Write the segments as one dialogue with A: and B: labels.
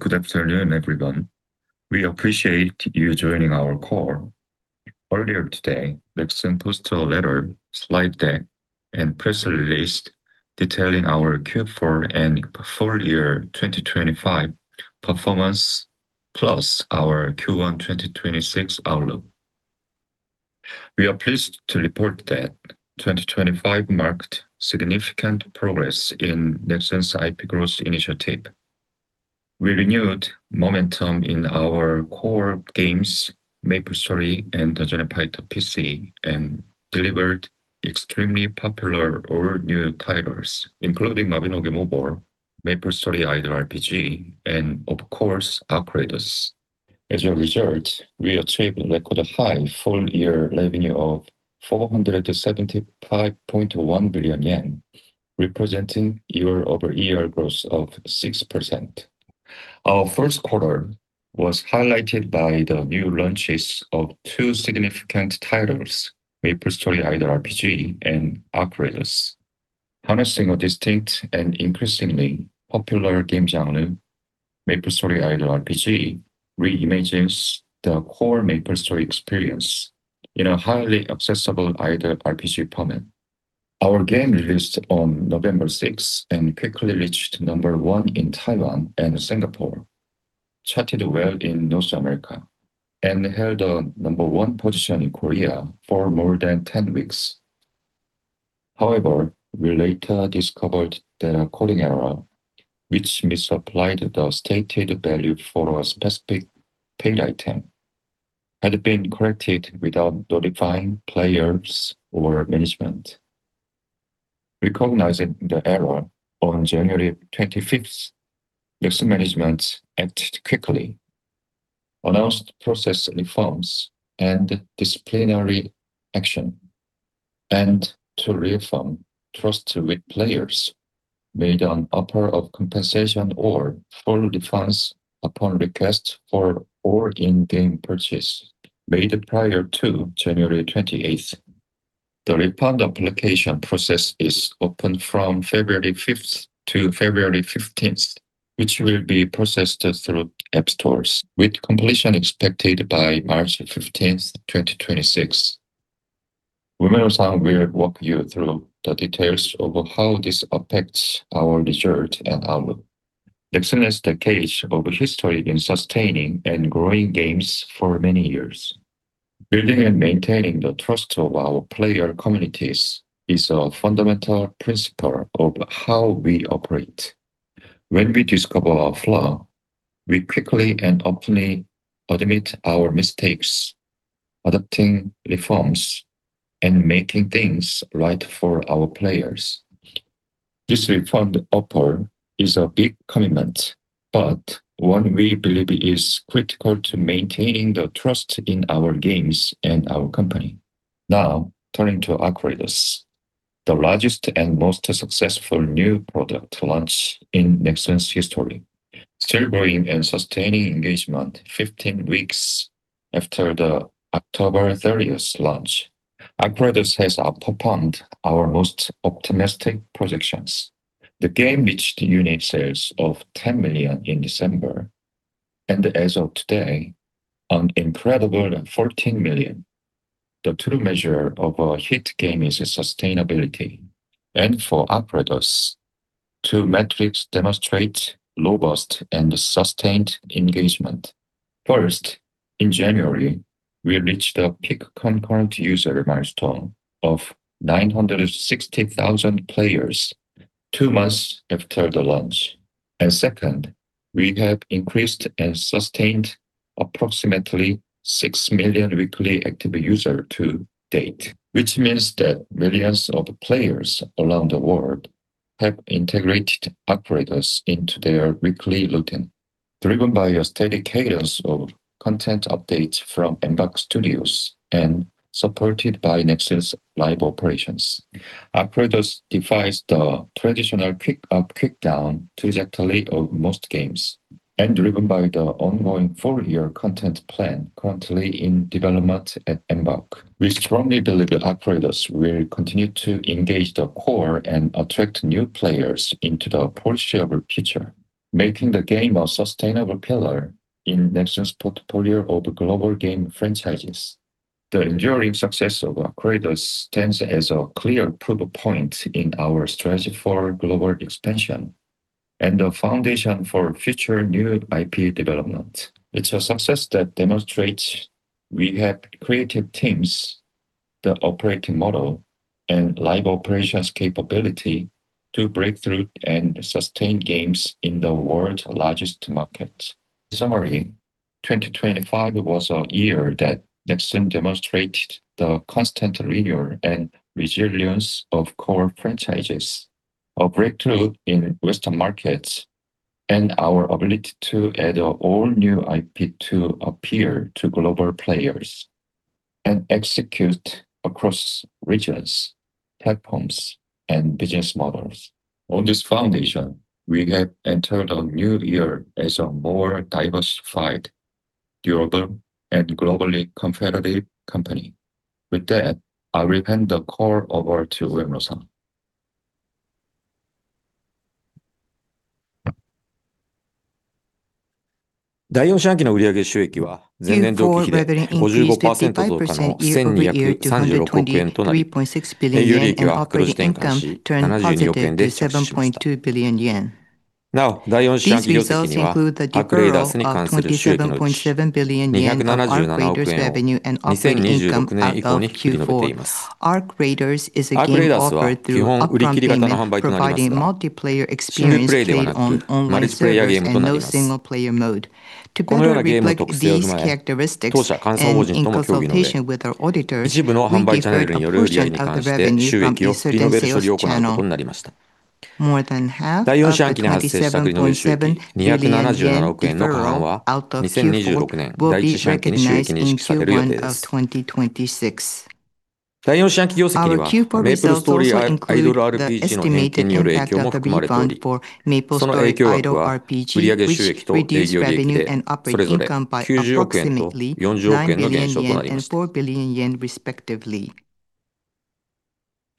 A: Good afternoon, everyone. We appreciate you joining our call. Earlier today, Nexon posted a letter, slide deck, and press release detailing our Q4 and full year 2025 performance, plus our Q1 2026 outlook. We are pleased to report that 2025 marked significant progress in Nexon's IP growth initiative. We renewed momentum in our core games, MapleStory and Dungeon and Fighter PC, and delivered extremely popular all-new titles, including MapleStory M, MapleStory Idle RPG, and of course, ARC Raiders. As a result, we achieved a record high full year revenue of 475.1 billion yen, representing year-over-year growth of 6%. Our first quarter was highlighted by the new launches of two significant titles, MapleStory Idle RPG, and ARC Raiders. Harnessing a distinct and increasingly popular game genre, MapleStory Idle RPG reimagines the core MapleStory experience in a highly accessible idle RPG format. Our game released on November 6, and quickly reached number 1 in Taiwan and Singapore, charted well in North America, and held a number 1 position in Korea for more than 10 weeks. However, we later discovered that a coding error, which misapplied the stated value for a specific paid item, had been corrected without notifying players or management. Recognizing the error on January 25, Nexon management acted quickly, announced process reforms and disciplinary action, and to reaffirm trust with players, made an offer of compensation or full refunds upon request for all in-game purchases made prior to January 28. The refund application process is open from February 5 to February 15, which will be processed through app stores, with completion expected by March 15, 2026. Umeno-san will walk you through the details of how this affects our results and outlook. Nexon has decades of history in sustaining and growing games for many years. Building and maintaining the trust of our player communities is a fundamental principle of how we operate. When we discover a flaw, we quickly and openly admit our mistakes, adapting reforms and making things right for our players. This refund offer is a big commitment, but one we believe is critical to maintaining the trust in our games and our company. Now, turning to ARC Raiders, the largest and most successful new product launch in Nexon's history. Still growing and sustaining engagement 15 weeks after the October thirtieth launch, ARC Raiders has outperformed our most optimistic projections. The game reached unit sales of 10 million in December, and as of today, an incredible 14 million. The true measure of a hit game is its sustainability, and for ARC Raiders, two metrics demonstrate robust and sustained engagement. First, in January, we reached a peak concurrent user milestone of 960,000 players, two months after the launch. Second, we have increased and sustained approximately 6 million weekly active user to date, which means that millions of players around the world have integrated ARC Raiders into their weekly routine. Driven by a steady cadence of content updates from Embark Studios and supported by Nexon's live operations, ARC Raiders defies the traditional pick-up, pick-down trajectory of most games, and driven by the ongoing full-year content plan currently in development at Embark. We strongly believe that ARC Raiders will continue to engage the core and attract new players into the foreseeable future, making the game a sustainable pillar in Nexon's portfolio of global game franchises. The enduring success of ARC Raiders stands as a clear proof point in our strategy for global expansion and the foundation for future new IP development. It's a success that demonstrates we have creative teams, the operating model, and live operations capability to break through and sustain games in the world's largest markets. In summary, 2025 was a year that Nexon demonstrated the constant renewal and resilience of core franchises, a breakthrough in Western markets, and our ability to add an all-new IP to appeal to global players and execute across regions, platforms, and business models. On this foundation, we have entered a new year as a more diversified, durable, and globally competitive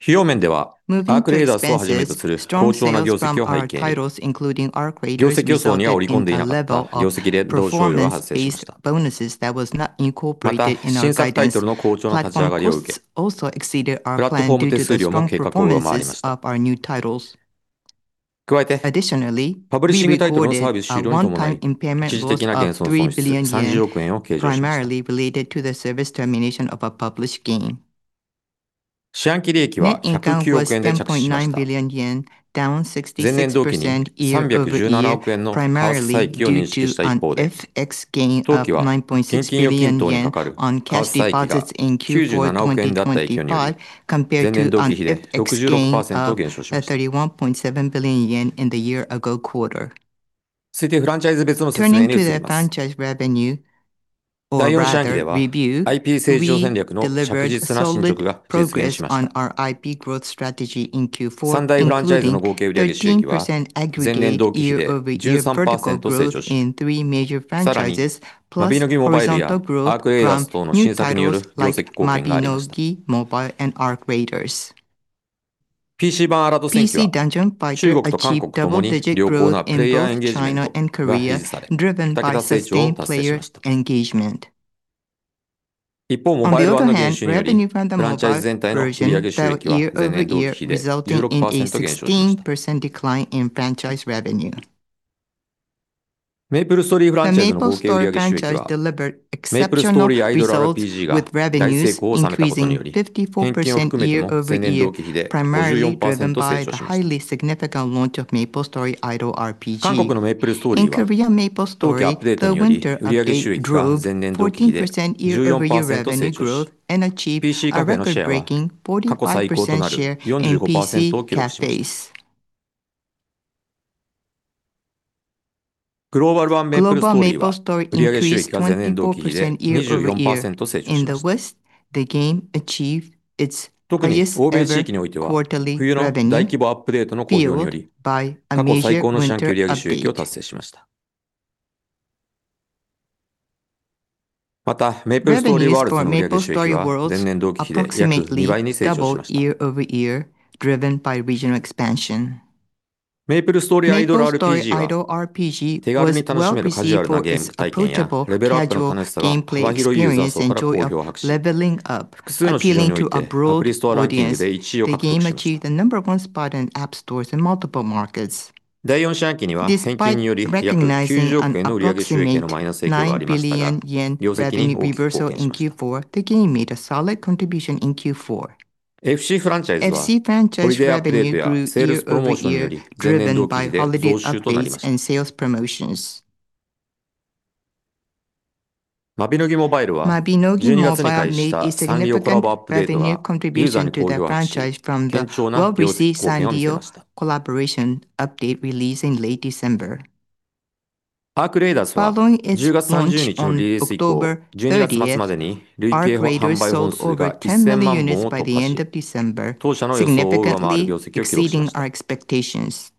A: company.
B: MapleStory was well received by users and contributed solidly to results. ARC Raiders, since its release on October 30, surpassed cumulative sales of 10 million units by the end of December, recording results that exceeded our expectations.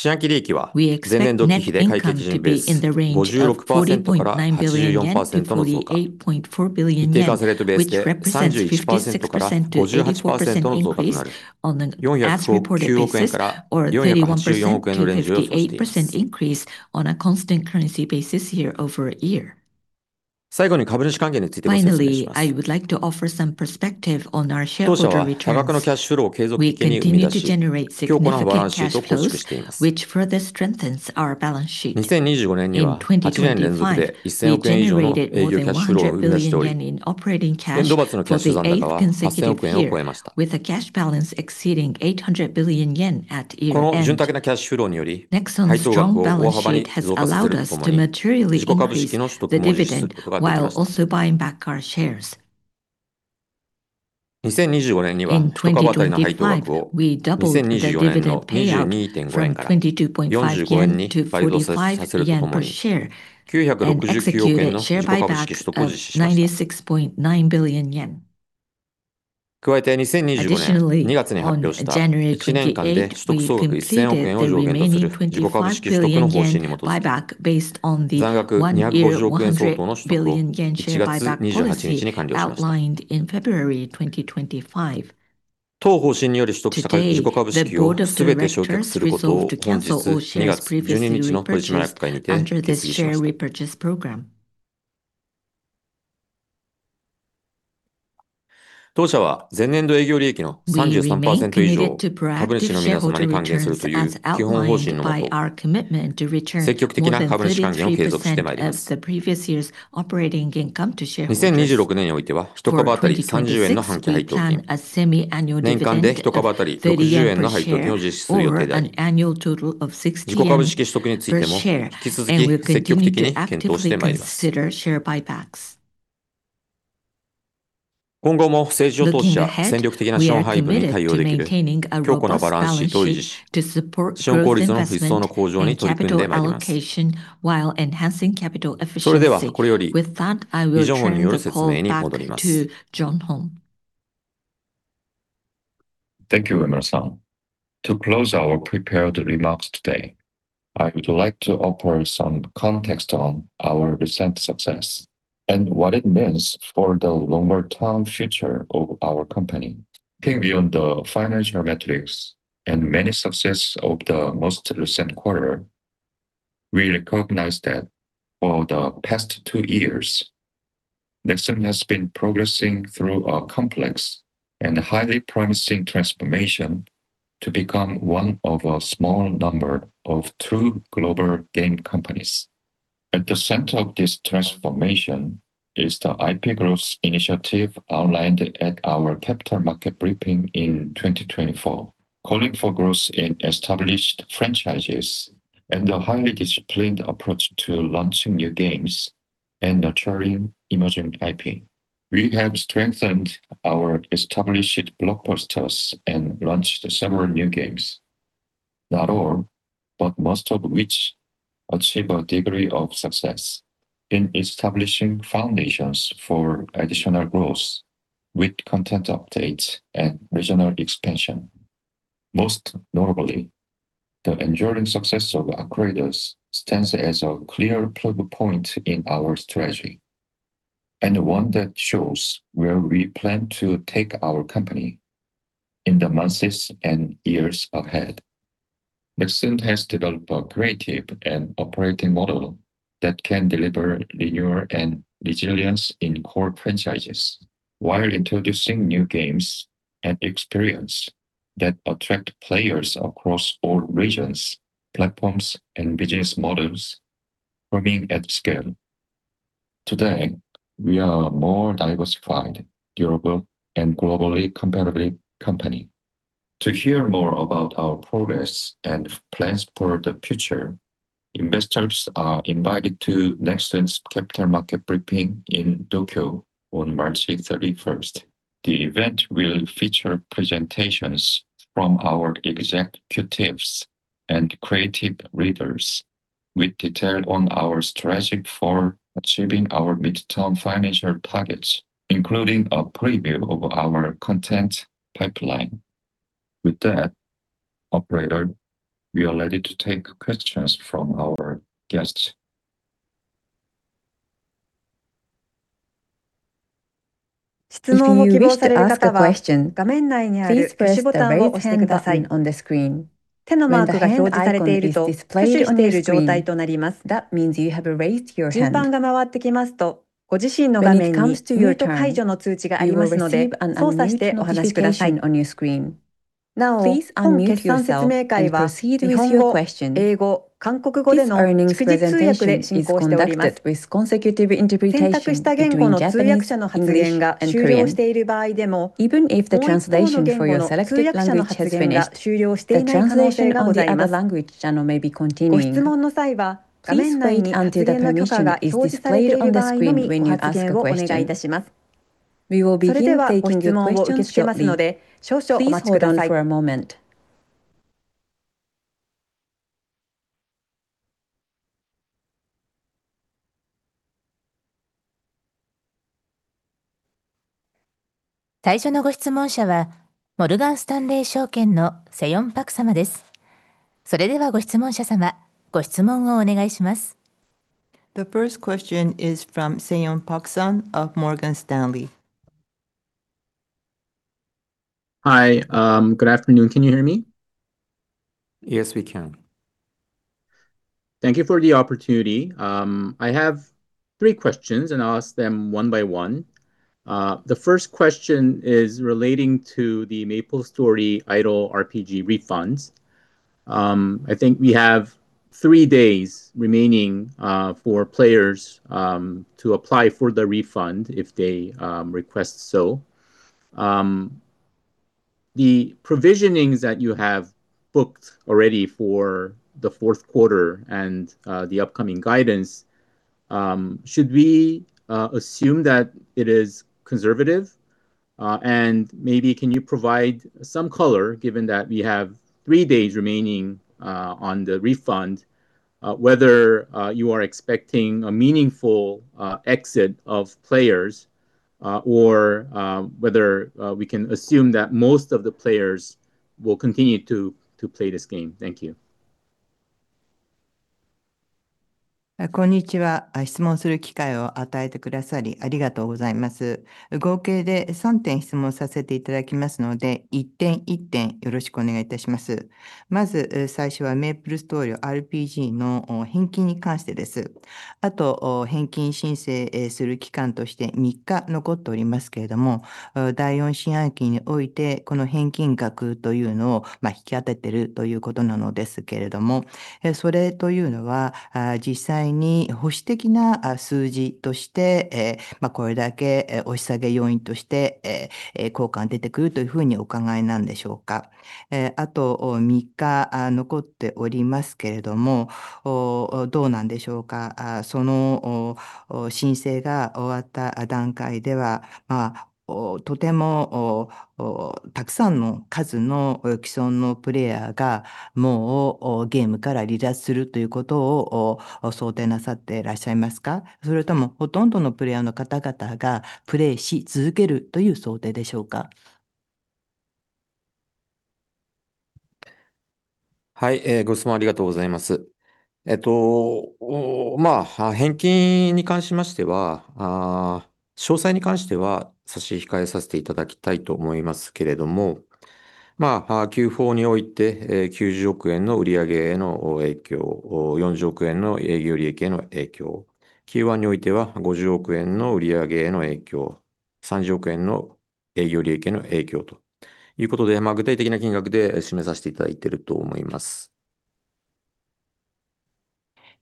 B: The title maintained high levels of WAU, peak concurrent users, and retention across multiple platforms. Next, I will move on to the full-year 2025 results. In 2025, our main titles, Dungeon&Fighter and MapleStory, accelerated their growth, and new titles such as Mabinogi Mobile and ARC Raiders achieved remarkable success. As a result, full-year revenue reached a record high of JPY 475.5 billion, up 6% year-over-year, demonstrating the effectiveness of our IP growth strategy. Revenue from the three major franchises was flat year-over-year at JPY 331.5 billion, while revenue from other franchises increased 25% year-over-year to JPY 113.3 billion. Operating income was flat year-over-year at JPY 124.0 billion. Year-over-year. 30 billionのファーストタイム利益を計上した一方で、2025年度はJPY 2.7 billionのファーストサス損を認識した結果、全体利益32%減少、JPY 92.1 billionで収支しました。2026年第1四半期の見通しについてです。ポートフォリオ全体で強い勢いが続く 것으로見込んでいます。新作による増収基調とPC版アラド戦記およびメイプルストーリーフランチャイズの成長により、過去最高の四半期売上収益を達成する見込みです。Q1グループ収入は期待基準ベースで34%-44%の増加、為替換算レートベースでは23%-34%の増加となる、JPY 115 billion-JPY 164 billionのレンジになる見込みです。PC版アラド戦記はパッケージの販売を含む旧正月アップデートにより、前年同期比での増収を見込んでおります。中国のアラド戦記モバイルの売上収益は全四半期で横横となる一方で、前年同期比で減少する見込みです。その結果、アラド戦記フランチャイズの合計売上収益は前年同期比で減少することを見込んでいます。2026年はアラド戦記モバイルを再び成長軌道に戻すように注力してまいります。今後はTencentとの共同開発により、中国市場において、現地ニーズに即したよりローカライズされたコンテンツを提供していく予定です。メイプルストーリーフランチャイズの合計売上収益は、メイプルストーリーアイドルRPGの増収基調により、前年同期比で約30%増加することを見込んでいます。PC版メイプルストーリーは、韓国、グローバルともに第4四半期から実施している冬季アップデートにより、プレイヤーエンゲージメントが持続すると見込んでいます。メイプルストーリーワールズにおいては、前年同期比で増収を見込んでおります。メイプルストーリーアイドルRPGについては、コーディング上の問題を発表してから2週間が経過しましたが、プレイヤーベースは依然として堅調かつ活発であり、本作に対するプレイヤーの需要と関心の高さを物語っています。第1四半期の業績見通しには、円安により約JPY 5 billionの売上収益の減少と約JPY 3 billionの営業利益の減少を見込む一方で、引き続き堅調な収益貢献を見込んでいます。2026年はハイパーローカライゼーションと継続的なコンテンツアップデートにより、良い流れを継続させていきたいと考えています。FCフランチャイズの合計売上収益は前年同期比でほぼ横ばいとなる見込みです。6月に開催されるワールドカップに向けて、ユーザーの盛り上がりを高めることに注力する予定です。マビノギモバイルは新規バトルコンテンツ、旧正月プロモーション、周年アップデートによる増収を見込んでいます。ARC Raidersは、現在までに累計販売本数が14 million本を突破しました。今後も毎月のコンテンツアップデートとイベントを通じて、高水準なプレイヤーエンゲージメントと販売の勢いを維持できると期待しています。営業利益は前年同期比で会計基準ベース23%-47%の増加、為替換算レートベースで7%-34%の増加となる、JPY 51.2 billion-JPY 61.7 billionのレンジとなる見込みです。費用面では、ARC Raiders、メイプルストーリーアイドルRPG、マビノギモバイルのリリースに伴い、プラットフォーム手数料およびロイヤリティが増加する見込みです。また、ARC Raidersに関する業績連動賞与や人員増加による人件費の増加も見込んでいます。さらに、新作タイトルのプロモーションを伴う広告宣伝費の増加も予想しています。四半期利益は前年同期比で会計基準ベース56%-84%の増加、為替換算レートベースで31%-58%の増加となる、JPY 40.9 billion-JPY 41.4 billionのレンジを予想しています。最後に、株主還元についてご説明します。当社は多額のキャッシュフローを継続的に生み出し、強固なバランスシートを構築しています。2025年には8年連続でJPY 100 billion以上の営業キャッシュフローを生み出しており、年末のキャッシュ残高はJPY 800 billionを超えました。この潤沢なキャッシュフローにより、配当額を大幅に増加するとともに、自己株式の取得も実施することができました。... 2025年には株当たり配当額を2024年の22.5円から40円に倍増させる とともに、969億円の自己株式取得を実施しました。加えて、2025年2月に発表した1年間で取得総額1,000億円を上限とする自己株式取得の方針に基づき、残額250億円相当の取得を1月28日に終了しました。当方針により取得した自己株式をすべて消却することを本日、2月12日の取締役会にて決議しました。当社は、前年度営業利益の33%以上を株主の皆様に還元するという基本方針のもと、積極的な株主還元を続けてまいります。2026年においては、一株当たり30円の半期配当金、年間で一株当たり60円の配当金を実施する予定であり、自己株式取得についても引き続き積極的に検討してまいります。今後も上場企業として戦略的な資本配分で対応できる強固なバランスシートを維持し、資本効率の一層の向上に取り組んでまいります。それでは、これより以上による説明に戻ります。
A: Thank you, Shiro Uemura. To close our prepared remarks today, I would like to offer some context on our recent success and what it means for the longer-term future of our company. Think beyond the financial metrics and many success of the most recent quarter, we recognize that for the past two years, Nexon has been progressing through a complex and highly promising transformation to become one of a small number of true global game companies. At the center of this transformation is the IP Growth Initiative, outlined at our Capital Market Briefing in 2024, calling for growth in established franchises and a highly disciplined approach to launching new games and nurturing emerging IP. We have strengthened our established blockbusters and launched several new games. Not all, but most of which achieve a degree of success in establishing foundations for additional growth with content updates and regional expansion. Most notably, the enduring success of ARC Raiders stands as a clear proof point in our strategy, and one that shows where we plan to take our company in the months and years ahead. Nexon has developed a creative and operating model that can deliver renewal and resilience in core franchises, while introducing new games and experience that attract players across all regions, platforms, and business models for being at scale. Today, we are a more diversified, durable, and globally competitive company. To hear more about our progress and plans for the future, investors are invited to Nexon's Capital Market Briefing in Tokyo on March thirty-first. The event will feature presentations from our executives and creative leaders, with details on our strategy for achieving our midterm financial targets, including a preview of our content pipeline. With that, operator, we are ready to take questions from our guests.
C: The first question is from Seyon Park of Morgan Stanley.
D: Hi, good afternoon. Can you hear me?
A: Yes, we can.
D: Thank you for the opportunity. I have three questions, and I'll ask them one by one. The first question is relating to the MapleStory Idle RPG refunds. I think we have three days remaining for players to apply for the refund if they request so. The provisionings that you have booked already for the fourth quarter and the upcoming guidance should we assume that it is conservative? And maybe can you provide some color, given that we have three days remaining on the refund, whether you are expecting a meaningful exit of players or whether we can assume that most of the players will continue to play this game? Thank you.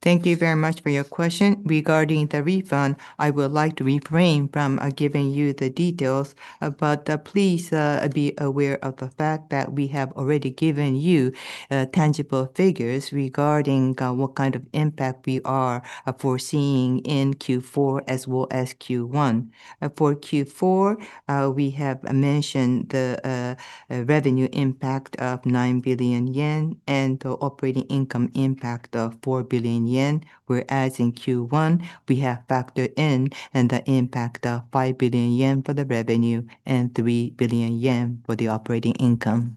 C: Thank you very much for your question. Regarding the refund, I would like to refrain from giving you the details, but please be aware of the fact that we have already given you tangible figures regarding what kind of impact we are foreseeing in Q4 as well as Q1. For Q4, we have mentioned the revenue impact of 9 billion yen and the operating income impact of 4 billion yen, whereas in Q1 we have factored in the impact of 5 billion yen for the revenue and 3 billion yen for the operating income.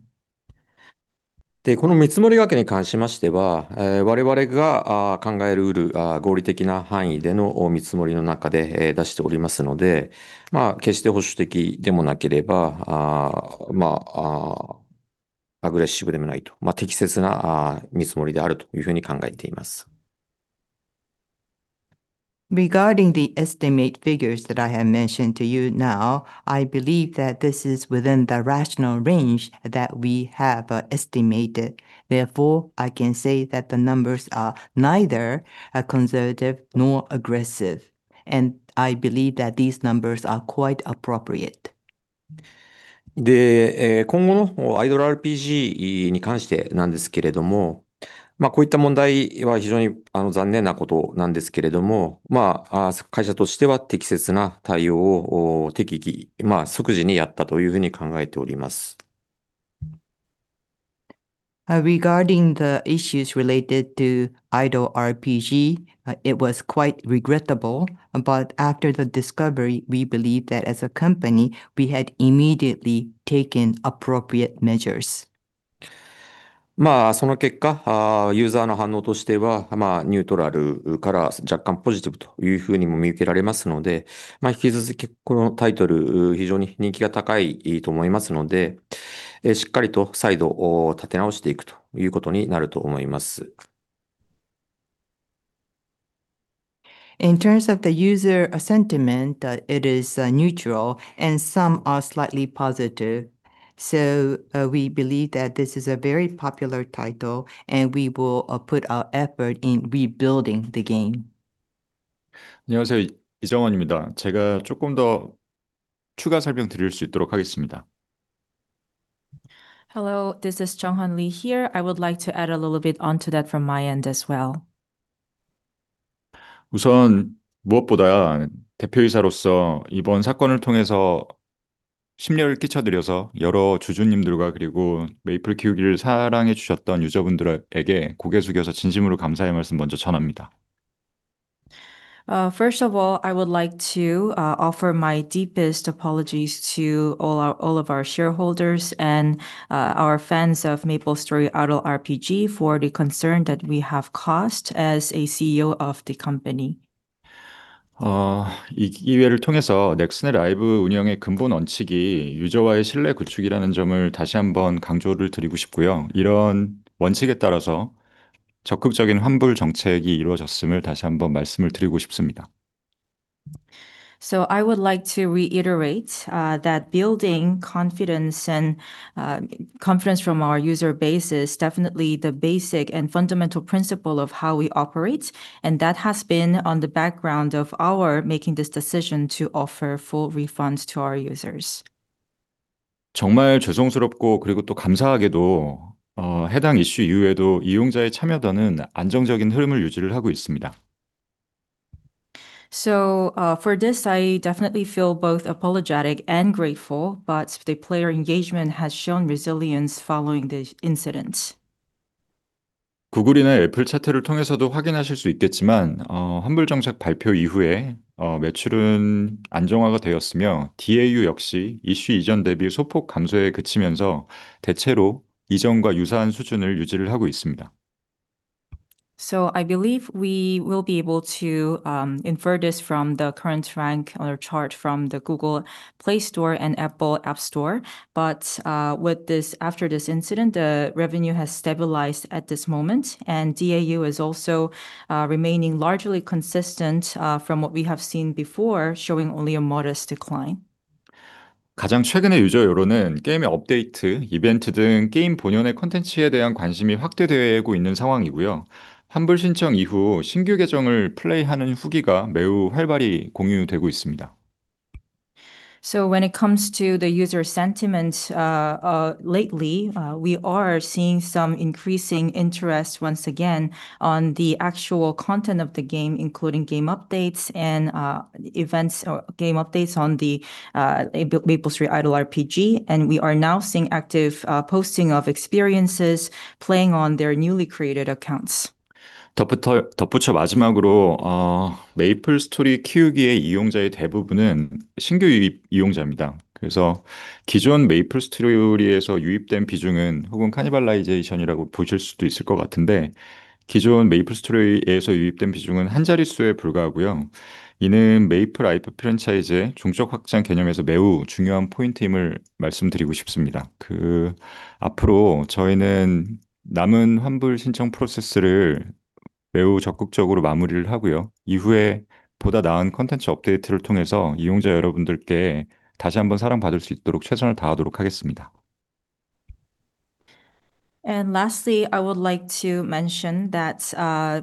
B: で、この見積もり分けに関しては、我々が考える上で合理的な範囲での見積もりの中で出しておおりますので、決して保守的でもなければ、まあアグレッシブでもないと。適切な見積もりであるというふうに考えております。
C: Regarding the estimate figures that I have mentioned to you now, I believe that this is within the rational range that we have estimated. Therefore, I can say that the numbers are neither conservative nor aggressive, and I believe that these numbers are quite appropriate.
B: で、今後のアイドルRPGに関してなんですけども、まあこういう問題は非常に残念なことなんですけども、まあ会社としては適切な対応を適宜、まあ即時にやったというふうに考えております。
C: Regarding the issues related to Idle RPG, it was quite regrettable, but after the discovery, we believe that as a company, we had immediately taken appropriate measures.
B: まあ、その結果、ユーザーの反応としては、まあニュートラルから若干ポジティブというふうにも見受けられますので、引き続きこのタイトル、非常に人気が高いと思いますので、しっかりと再度立て直していくということになると思います。
C: In terms of the user sentiment, it is neutral and some are slightly positive. So we believe that this is a very popular title and we will put our effort in rebuilding the game.
E: 안녕하세요. 이정원입니다. 제가 조금 더 추가 설명드릴 수 있도록 하겠습니다.
C: Hello, this is Junghwan Lee here. I would like to add a little bit onto that from my end as well.
E: 우선 무엇보다 대표이사로서 이번 사건을 통해서 심려를 끼쳐드려서 여러 주주님들과 그리고 메이플 키우기를 사랑해 주셨던 유저분들에게 고개 숙여서 진심으로 감사의 말씀 먼저 전합니다.
C: First of all, I would like to offer my deepest apologies to all our, all of our shareholders and our fans of MapleStory Idle RPG for the concern that we have caused as a CEO of the company.
E: 이 기회를 통해서 넥슨의 라이브 운영의 근본 원칙이 유저와의 신뢰 구축이라는 점을 다시 한번 강조를 드리고 싶고요. 이런 원칙에 따라서 적극적인 환불 정책이 이루어졌음을 다시 한번 말씀을 드리고 싶습니다.
C: So I would like to reiterate that building confidence and confidence from our user base is definitely the basic and fundamental principle of how we operate, and that has been on the background of our making this decision to offer full refunds to our users....
E: 정말 죄송스럽고 그리고 또 감사하게도, 해당 이슈 이후에도 이용자의 참여도는 안정적인 흐름을 유지를 하고 있습니다.
C: For this, I definitely feel both apologetic and grateful, but the player engagement has shown resilience following the incident.
E: 구글이나 애플 차트를 통해서도 확인하실 수 있겠지만, 환불 정책 발표 이후에, 매출은 안정화가 되었으며, DAU 역시 이슈 이전 대비 소폭 감소에 그치면서 대체로 이전과 유사한 수준을 유지를 하고 있습니다.
C: I believe we will be able to infer this from the current rank or chart from the Google Play Store and Apple App Store. But with this, after this incident, the revenue has stabilized at this moment, and DAU is also remaining largely consistent from what we have seen before, showing only a modest decline.
E: 가장 최근의 유저 여론은 게임의 업데이트, 이벤트 등 게임 본연의 콘텐츠에 대한 관심이 확대되고 있는 상황이고요. 환불 신청 이후 신규 계정을 플레이하는 후기가 매우 활발히 공유되고 있습니다.
C: So when it comes to the user sentiments, lately, we are seeing some increasing interest once again on the actual content of the game, including game updates and events or game updates on the MapleStory Idle RPG. We are now seeing active posting of experiences playing on their newly created accounts.
E: 덧붙여, 덧붙여 마지막으로, 메이플스토리 키우기의 이용자의 대부분은 신규 유입 이용자입니다. 그래서 기존 메이플스토리에서 유입된 비중은 혹은 카니발라이제이션이라고 보실 수도 있을 것 같은데, 기존 메이플스토리에서 유입된 비중은 한 자릿수에 불과하고요. 이는 메이플라이프 프랜차이즈의 중장기 확장 개념에서 매우 중요한 포인트임을 말씀드리고 싶습니다. 그리고 앞으로 저희는 남은 환불 신청 프로세스를 매우 적극적으로 마무리를 하고요. 이후에 보다 나은 콘텐츠 업데이트를 통해서 이용자 여러분들께 다시 한번 사랑받을 수 있도록 최선을 다하도록 하겠습니다.
C: Lastly, I would like to mention that,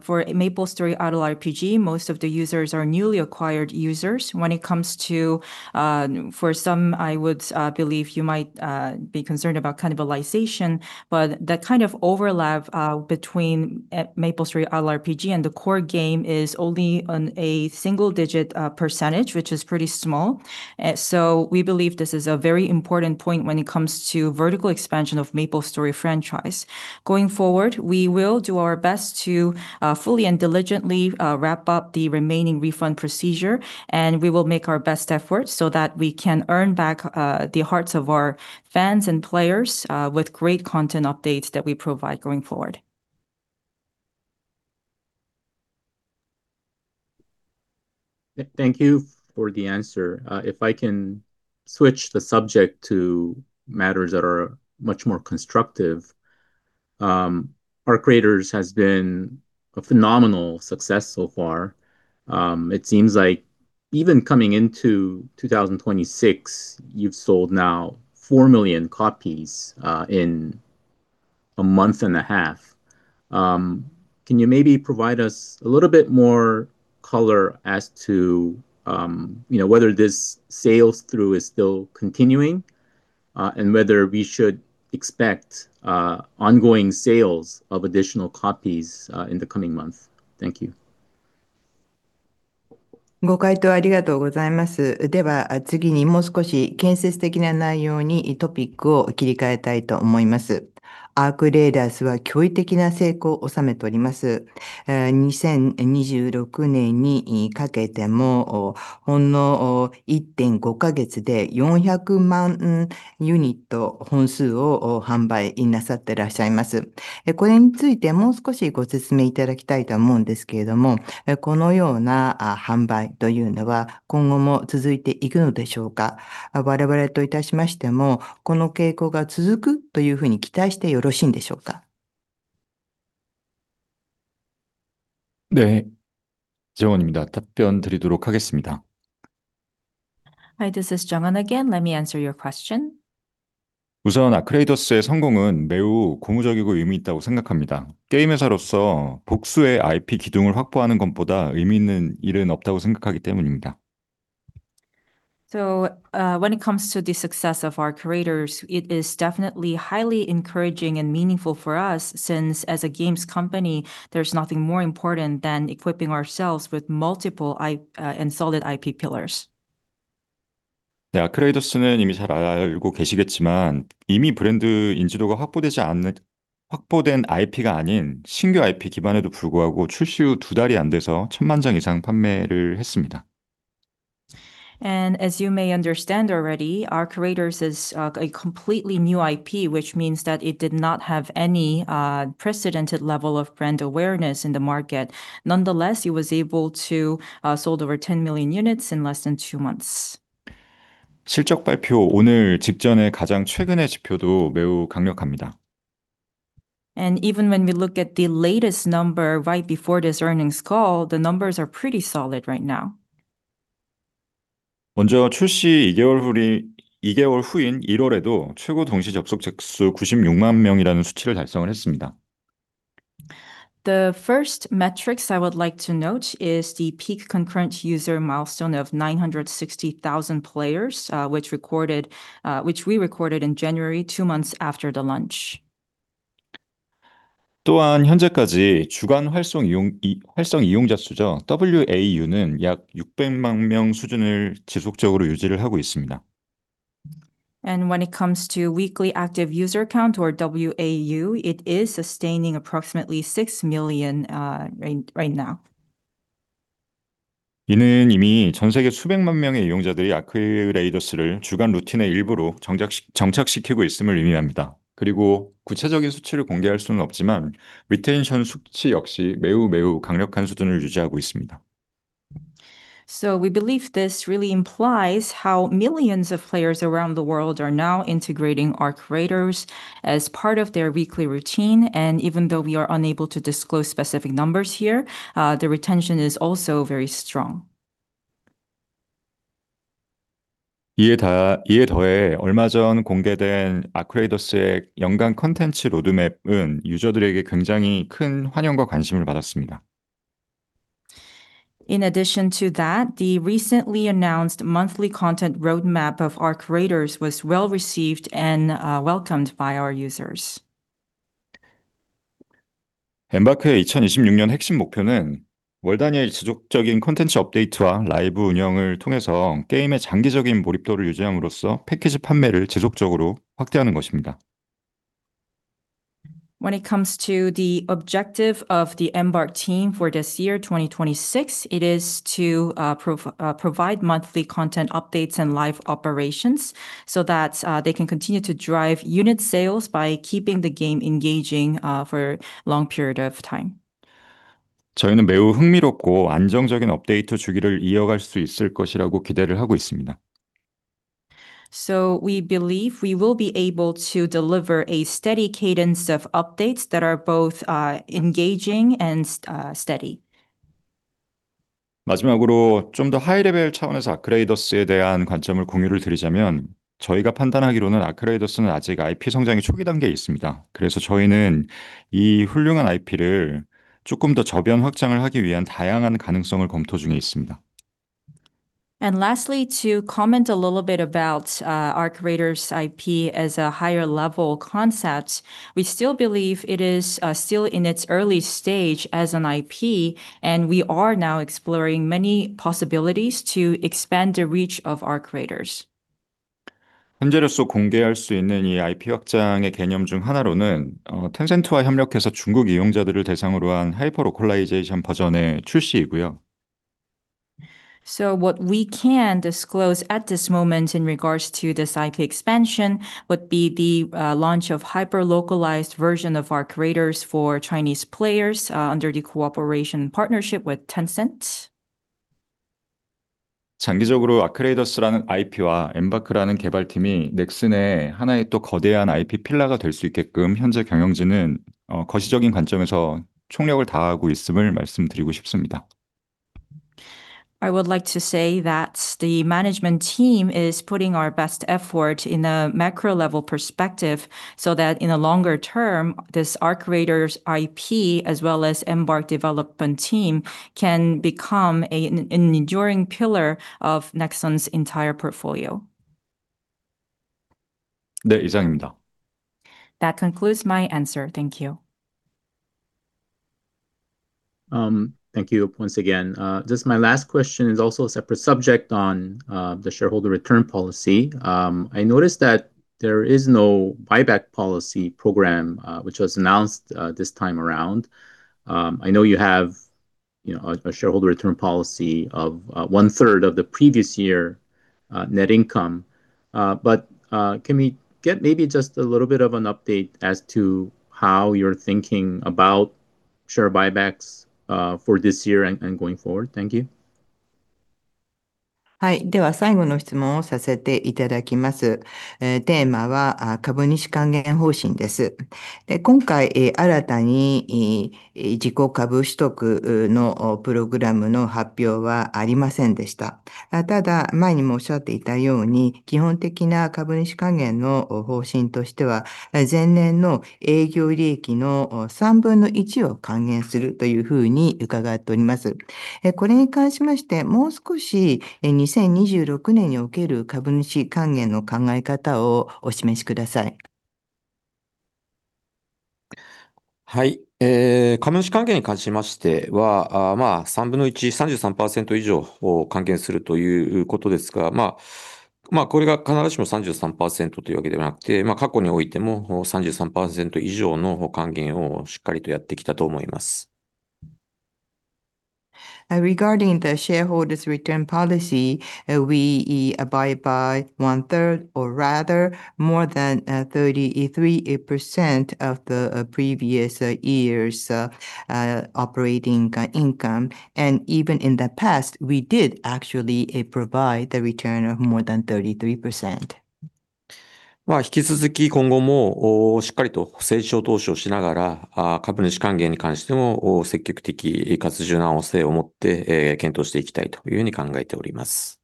C: for MapleStory Idle RPG, most of the users are newly acquired users. When it comes to, for some, I would believe you might be concerned about cannibalization, but that kind of overlap between MapleStory RPG and the core game is only on a single-digit %, which is pretty small. So we believe this is a very important point when it comes to vertical expansion of MapleStory franchise. Going forward, we will do our best to fully and diligently wrap up the remaining refund procedure, and we will make our best efforts so that we can earn back the hearts of our fans and players with great content updates that we provide going forward.
D: Thank you for the answer. If I can switch the subject to matters that are much more constructive. ARC Raiders has been a phenomenal success so far. It seems like even coming into 2026, you've sold now 4 million copies in a month and a half. Can you maybe provide us a little bit more color as to, you know, whether this sales through is still continuing, and whether we should expect ongoing sales of additional copies in the coming months? Thank you.
C: ご回答ありがとうございます。では、次にもう少し建設的な内容にトピックを切り替えたいと思います。ARC
E: 네, 정원입니다. 답변드리도록 하겠습니다.
C: Hi, this is Junghwan Lee again. Let me answer your question.
E: and meaningful, I think. Because as a game company, I think there is nothing more meaningful than securing multiple IP pillars.
C: When it comes to the success of ARC Raiders, it is definitely highly encouraging and meaningful for us, since as a games company, there's nothing more important than equipping ourselves with multiple IP, and solid IP pillars.
E: 아크레이더스는 이미 잘 알고 계시겠지만, 이미 브랜드 인지도가 확보되지 않는, 확보된 IP가 아닌 신규 IP 기반에도 불구하고 출시 후 2달이 안 돼서 1,000만 장 이상 판매를 했습니다.
C: As you may understand already, ARC Raiders is a completely new IP, which means that it did not have any precedented level of brand awareness in the market. Nonetheless, it was able to sold over 10 million units in less than 2 months.
E: 실적 발표 오늘 직전에 가장 최근의 지표도 매우 강력합니다.
C: Even when we look at the latest number right before this earnings call, the numbers are pretty solid right now.
E: 먼저, 출시 2개월 후인 1월에도 최고 동시 접속자 수 960,000명이라는 수치를 달성했습니다....
C: The first metrics I would like to note is the peak concurrent user milestone of 960,000 players, which we recorded in January, two months after the launch.
E: 또한 현재까지 주간 활성 이용자 수죠. WAU는 약 600만 명 수준을 지속적으로 유지하고 있습니다.
C: When it comes to weekly active user count or WAU, it is sustaining approximately 6 million, right, right now.
E: 이는 이미 전 세계 수백만 명의 이용자들이 아크레이더스를 주간 루틴의 일부로 정착시키고 있음을 의미합니다. 그리고 구체적인 수치를 공개할 수는 없지만, 리텐션 수치 역시 매우 매우 강력한 수준을 유지하고 있습니다.
C: We believe this really implies how millions of players around the world are now integrating ARC Raiders as part of their weekly routine. Even though we are unable to disclose specific numbers here, the retention is also very strong.
E: 이에 더해 얼마 전 공개된 ARC Raiders의 연간 콘텐츠 로드맵은 유저들에게 굉장히 큰 환영과 관심을 받았습니다.
C: In addition to that, the recently announced monthly content roadmap of ARC Raiders was well-received and welcomed by our users.
E: Embark의 2026년 핵심 목표는 월 단위의 지속적인 콘텐츠 업데이트와 라이브 운영을 통해서 게임의 장기적인 몰입도를 유지함으로써 패키지 판매를 지속적으로 확대하는 것입니다.
C: When it comes to the objective of the Embark team for this year, 2026, it is to provide monthly content updates and live operations so that they can continue to drive unit sales by keeping the game engaging for a long period of time.
E: 저희는 매우 흥미롭고 안정적인 업데이트 주기를 이어갈 수 있을 것이라고 기대를 하고 있습니다.
C: So we believe we will be able to deliver a steady cadence of updates that are both engaging and steady.
E: 마지막으로 좀더 하이 레벨 차원에서 아크레이더스에 대한 관점을 공유를 드리자면, 저희가 판단하기로는 아크레이더스는 아직 IP 성장이 초기 단계에 있습니다. 그래서 저희는 이 훌륭한 IP를 조금 더 저변 확장을 하기 위한 다양한 가능성을 검토 중에 있습니다.
C: And lastly, to comment a little bit about ARC Raiders IP as a higher level concept, we still believe it is still in its early stage as an IP, and we are now exploring many possibilities to expand the reach of ARC Raiders.
E: 현재로서 공개할 수 있는 이 IP 확장의 개념 중 하나로는, 텐센트와 협력해서 중국 이용자들을 대상으로 한 하이퍼 로컬라이제이션 버전의 출시이고요.
C: So what we can disclose at this moment in regards to this IP expansion would be the launch of hyper-localized version of ARC Raiders for Chinese players under the cooperation partnership with Tencent.
E: 장기적으로 아크레이더스라는 IP와 Embark라는 개발팀이 넥슨의 하나의 또 거대한 IP 필러가 될수 있게끔, 현재 경영진은, 거시적인 관점에서 총력을 다하고 있음을 말씀드리고 싶습니다.
C: I would like to say that the management team is putting our best effort in a macro-level perspective, so that in the longer term, this ARC Raiders IP, as well as Embark development team, can become an enduring pillar of Nexon's entire portfolio.
E: 네, 이상입니다.
C: That concludes my answer. Thank you.
D: Thank you once again. Just my last question is also a separate subject on the shareholder return policy. I noticed that there is no buyback policy program which was announced this time around. I know you have, you know, a shareholder return policy of one-third of the previous year net income. But can we get maybe just a little bit of an update as to how you're thinking about share buybacks for this year and going forward? Thank you.
C: Regarding the shareholders' return policy, we abide by one-third, or rather more than 33% of the previous year's operating income. Even in the past, we did actually provide the return of more than 33%.
B: まあ、引き続き今後も、しっかり成長投資をしながら、株主還元に関しても、積極的かつ柔軟性を持って、検討していきたいというふうに考えております。...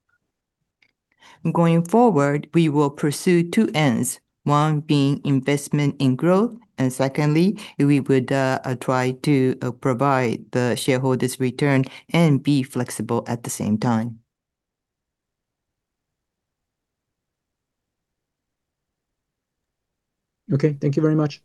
C: Going forward, we will pursue two ends, one being investment in growth, and secondly, we would try to provide the shareholders return and be flexible at the same time.
B: Okay, thank you very much.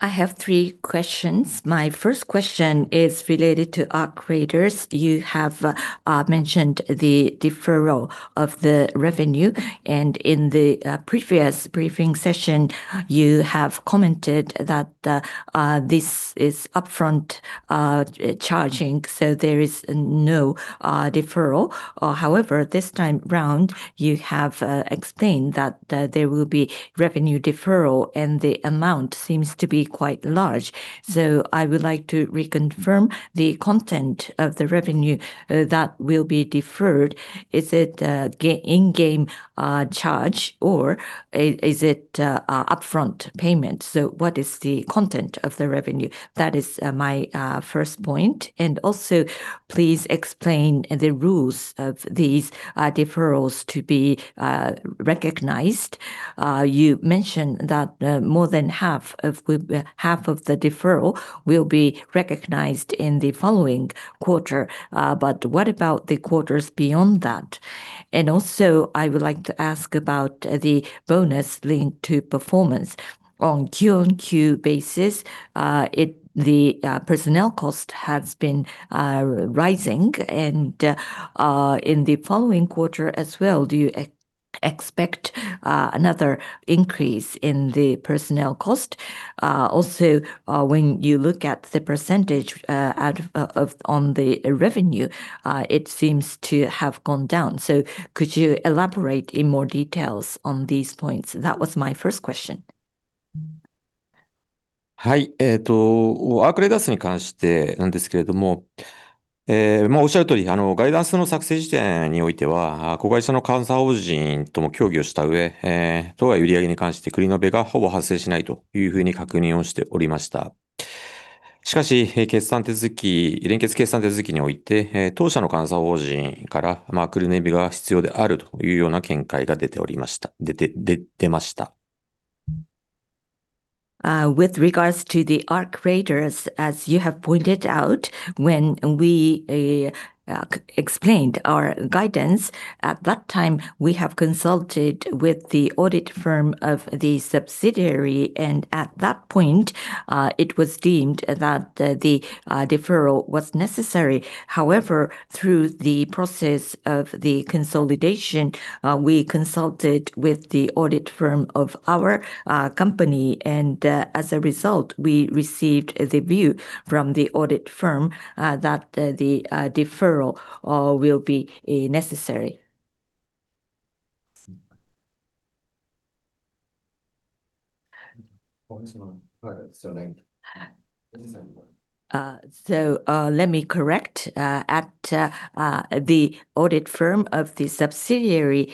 C: This is Jay of UBS Securities.
B: With regards to the ARC Raiders, as you have pointed out, when we explained our guidance, at that time, we have consulted with the audit firm of the subsidiary, and at that point, it was deemed that the deferral was necessary. However, through the process of the consolidation, we consulted with the audit firm of our company, and as a result, we received the view from the audit firm that the deferral will be necessary. So, let me correct. The audit firm of the subsidiary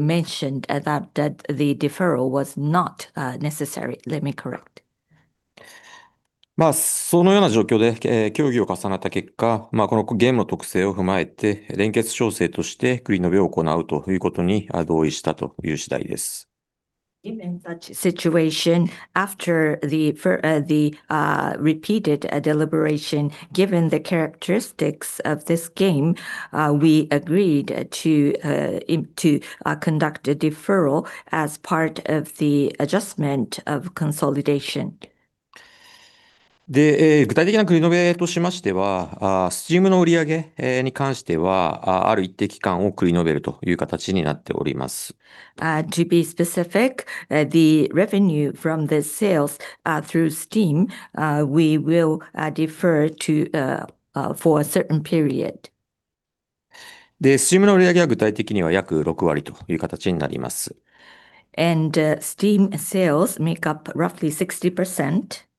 B: mentioned that the deferral was not necessary. Let me correct.
C: Given such situation, after the repeated deliberation, given the characteristics of this game, we agreed to conduct a deferral as part of the adjustment of consolidation.
B: で、具体的繰延としては、Steamの売り上げ、に関しては、ある一定期間を繰り延べるという形になっております。To be specific, the revenue from the sales through Steam, we will defer to for a certain period. で、Steamの売上は具体的には約60%という形になります。Steam sales make up roughly 60%.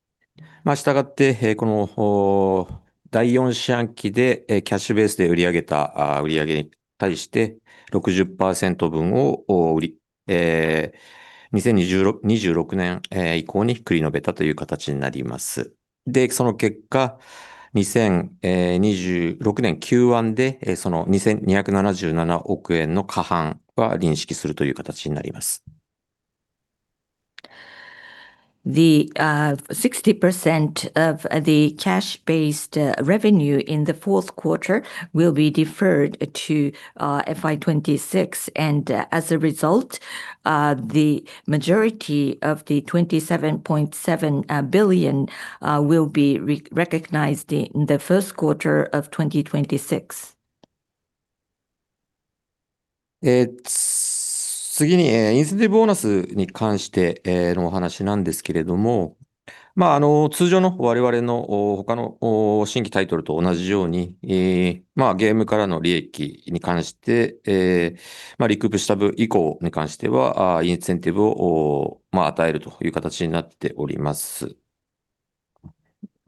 B: The 60% of the cash based revenue in the fourth quarter will be deferred to FY 2026. As a result, the majority of the 27.7 billion will be recognized in the first quarter of 2026.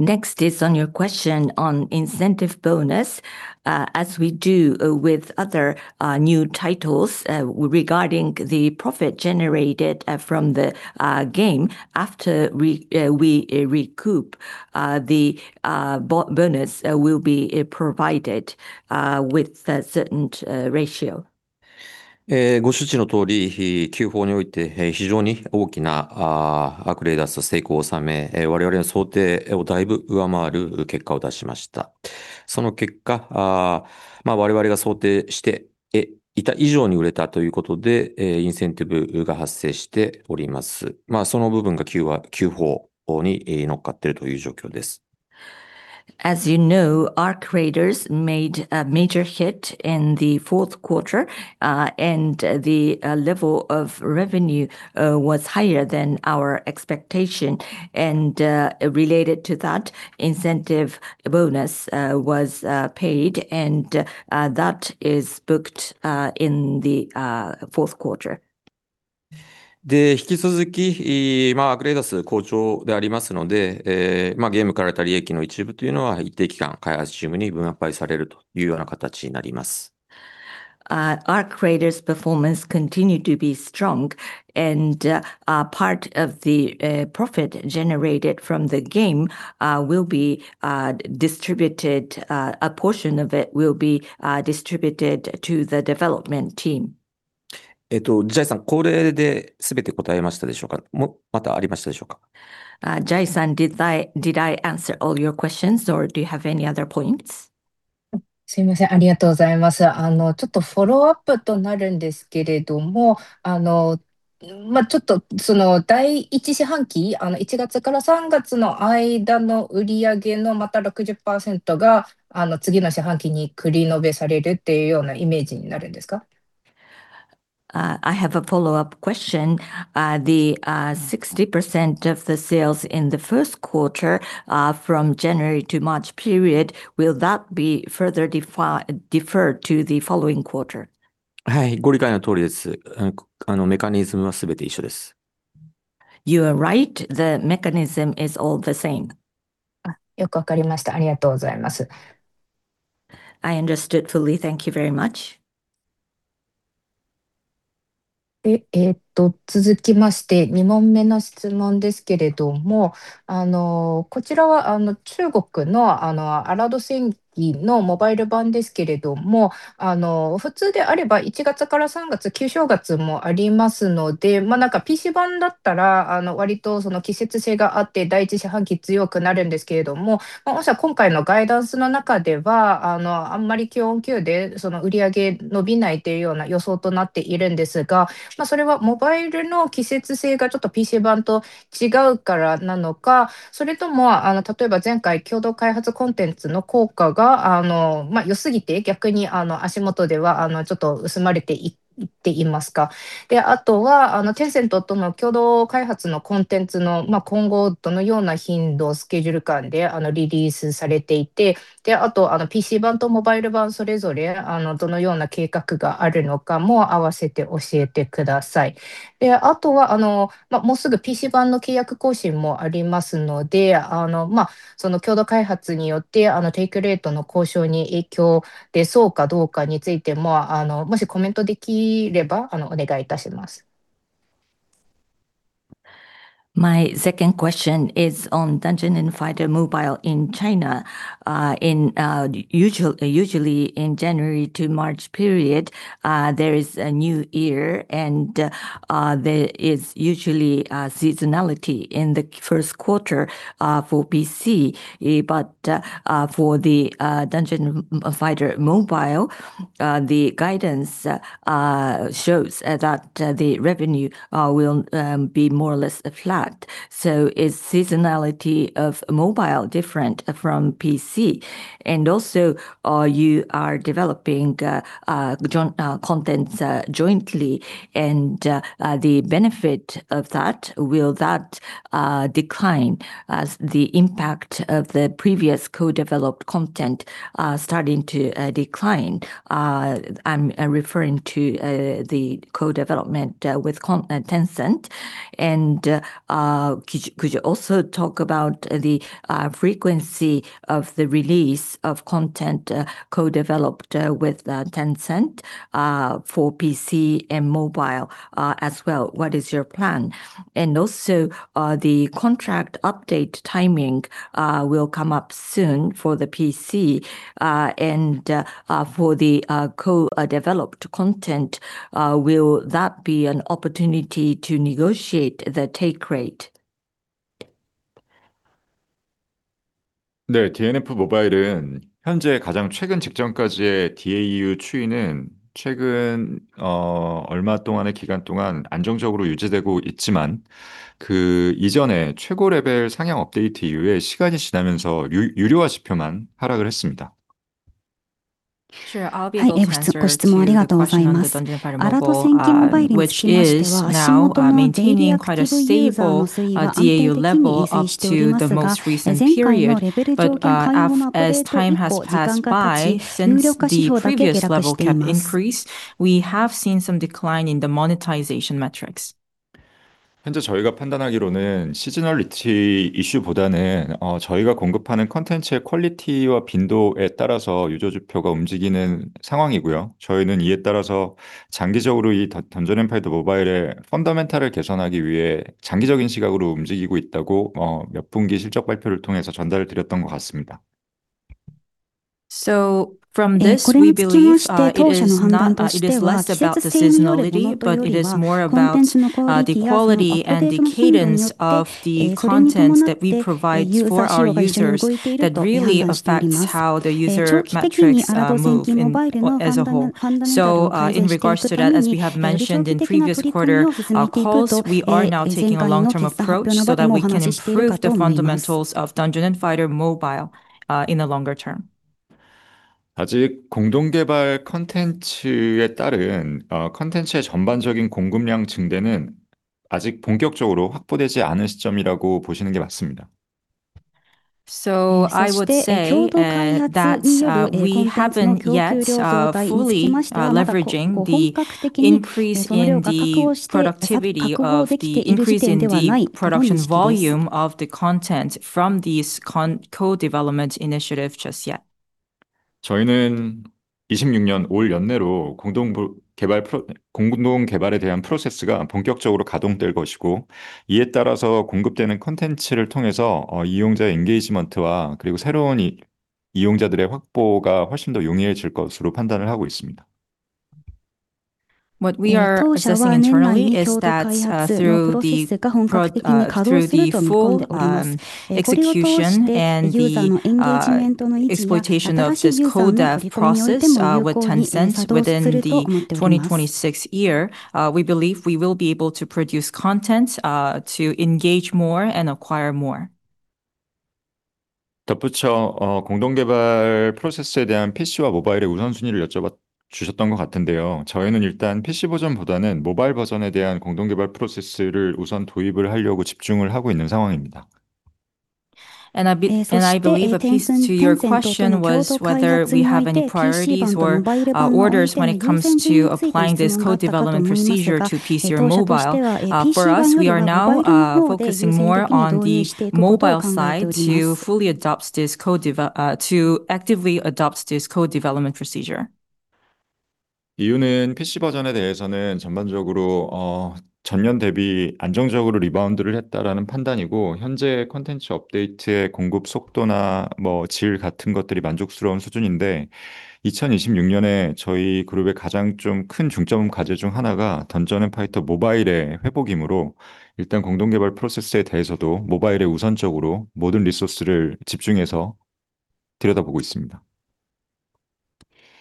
B: Next, on your question on incentive bonus as we do with other new titles regarding the profit generated from the game. After we recoup, the bonus will be provided with a certain ratio. As you know, our creators made a major hit in the fourth quarter, and the level of revenue was higher than our expectation. Related to that incentive bonus was paid and that is booked in the fourth quarter. で、引き続きARC Raiders好調でありますので、ゲームから得た利益の一部というのは、一定期間開発チームに分配されるというような形になります。Our creators' performance continued to be strong, and part of the profit generated from the game will be distributed. A portion of it will be distributed to the development team. ジャイさん、これで全て答えましたでしょうか？ またありましたでしょうか。Jay-san, did I, did I answer all your questions or do you have any other points?
F: すいません。ありがとうございます。あの、ちょっとフォローアップとなるんですけども、あの、ちょっとその第一四半期、あの一月から三月の間の売上のまた60%が次の四半期に繰り延べされるっていうようなイメージになるんですか？
B: I have a follow-up question. The 60% of the sales in the first quarter from January to March period, will that be further defined deferred to the following quarter? はい、ご理解の通りです。メカニズムはすべて一緒です。You are right. The mechanism is all the same.
F: よくわかりました。ありがとうございます。
B: I understood fully. Thank you very much.
C: My second question is on Dungeon&Fighter Mobile in China. Usually in January to March period, there is a new year, and there is usually seasonality in the first quarter for PC, but for the Dungeon&Fighter Mobile, the guidance shows that the revenue will be more or less flat. So is seasonality of mobile different from PC? And also, you are developing joint contents jointly and the benefit of that, will that decline as the impact of the previous co-developed content starting to decline? I'm referring to the co-development with Tencent. Could you also talk about the frequency of the release of content co-developed with Tencent for PC and mobile as well? What is your plan? And also, the contract update timing will come up soon for the PC and for the co-developed content, will that be an opportunity to negotiate the take rate?
E: The DNF Mobile in French, 가장 최근 직전까지의 DAU 추이는 최근, 얼마 동안의 기간 동안 안정적으로 유지되고 있지만, 그 이전에 최고 레벨 상향 업데이트 이후에 시간이 지나면서 유료화 지표만 하락을 했습니다.
C: Sure, I'll be able to answer to the question of the Dungeon Mobile, which is now maintaining quite a stable DAU level up to the most recent period. But, as time has passed by, since the previous level cap increase, we have seen some decline in the monetization metrics.
E: 현재 저희가 판단하기로는 시즈널리티 이슈보다는, 저희가 공급하는 콘텐츠의 퀄리티와 빈도에 따라서 유저 지표가 움직이는 상황이고요. 저희는 이에 따라서 장기적으로 이 Dungeon and Fighter Mobile의 fundamental을 개선하기 위해 장기적인 시각으로 움직이고 있다고, 몇 분기 실적 발표를 통해서 전달을 드렸던 것 같습니다.
C: So, from this, we believe it is less about the seasonality, but it is more about the quality and the cadence of the contents that we provide for our users that really affects how the user metrics move in as a whole. So, in regards to that, as we have mentioned in previous quarter calls, we are now taking a long-term approach so that we can improve the fundamentals of Dungeon & Fighter Mobile in the longer term.
E: 아직 공동 개발 콘텐츠에 따른 콘텐츠의 전반적인 공급량 증대는 아직 본격적으로 확보되지 않은 시점이라고 보시는 게 맞습니다.
C: So I would say that we haven't yet fully leveraging the increase in the productivity of the increase in the production volume of the content from this co-development initiative just yet.
E: 저희는 2026년 내로 공동 개발에 대한 프로세스가 본격적으로 가동될 것이고, 이에 따라서 공급되는 콘텐츠를 통해서, 이용자의 engagement와 그리고 새로운 이용자들의 확보가 훨씬 더 용이해질 것으로 판단을 하고 있습니다.
C: What we are assessing internally is that, through the full execution and the exploitation of this co-dev process, with Tencent within the 2026 year, we believe we will be able to produce content to engage more and acquire more.
E: 덧붙여, 공동 개발 프로세스에 대한 PC와 모바일의 우선순위를 여쭤봐 주셨던 것 같은데요. 저희는 일단 PC 버전보다는 모바일 버전에 대한 공동 개발 프로세스를 우선 도입을 하려고 집중을 하고 있는 상황입니다.
C: I believe a piece of your question was whether we have any priorities or orders when it comes to applying this co-development procedure to PC or mobile. For us, we are now focusing more on the mobile side to actively adopt this co-development procedure.
E: 이유는 PC 버전에 대해서는 전반적으로, 전년 대비 안정적으로 리바운드를 했다라는 판단이고, 현재 콘텐츠 업데이트의 공급 속도나 뭐, 질 같은 것들이 만족스러운 수준인데, 2026년에 저희 그룹의 가장 좀큰 중점 과제 중 하나가 던전 앤 파이터 모바일의 회복이므로 일단 공동 개발 프로세스에 대해서도 모바일의 우선적으로 모든 리소스를 집중해서 들여다보고 있습니다.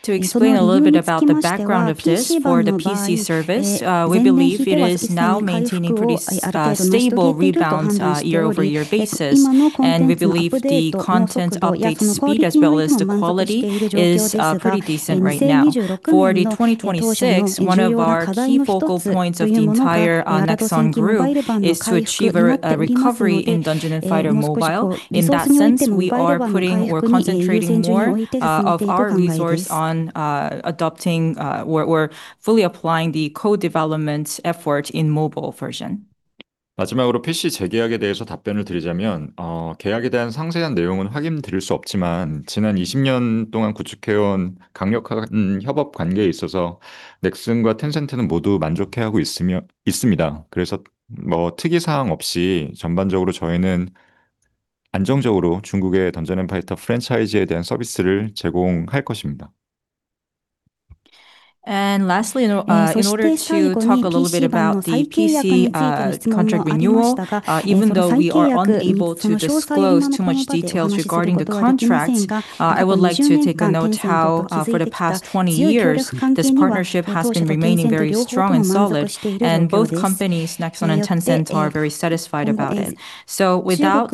C: To explain a little bit about the background of this, for the PC service, we believe it is now maintaining pretty stable rebounds year-over-year basis. We believe the content update speed as well as the quality is pretty decent right now. For 2026, one of our key focal points of the entire Nexon group is to achieve a recovery in Dungeon and Fighter Mobile. In that sense, we are putting, we're concentrating more of our resource on adopting, we're fully applying the co-development effort in mobile version.
E: 마지막으로 PC 재계약에 대해서 답변을 드리자면, 계약에 대한 상세한 내용은 확인 드릴 수 없지만, 지난 20년 동안 구축해 온 강력한 협업 관계에 있어서 넥슨과 텐센트는 모두 만족해하고 있습니다. 그래서 특이사항 없이 전반적으로 저희는 안정적으로 중국의 던전 앤 파이터 프랜차이즈에 대한 서비스를 제공할 것입니다.
C: Lastly, in order to talk a little bit about the PC contract renewal, even though we are unable to disclose too much details regarding the contracts, I would like to take a note how for the past 20 years, this partnership has been remaining very strong and solid, and both companies, Nexon and Tencent, are very satisfied about it. So without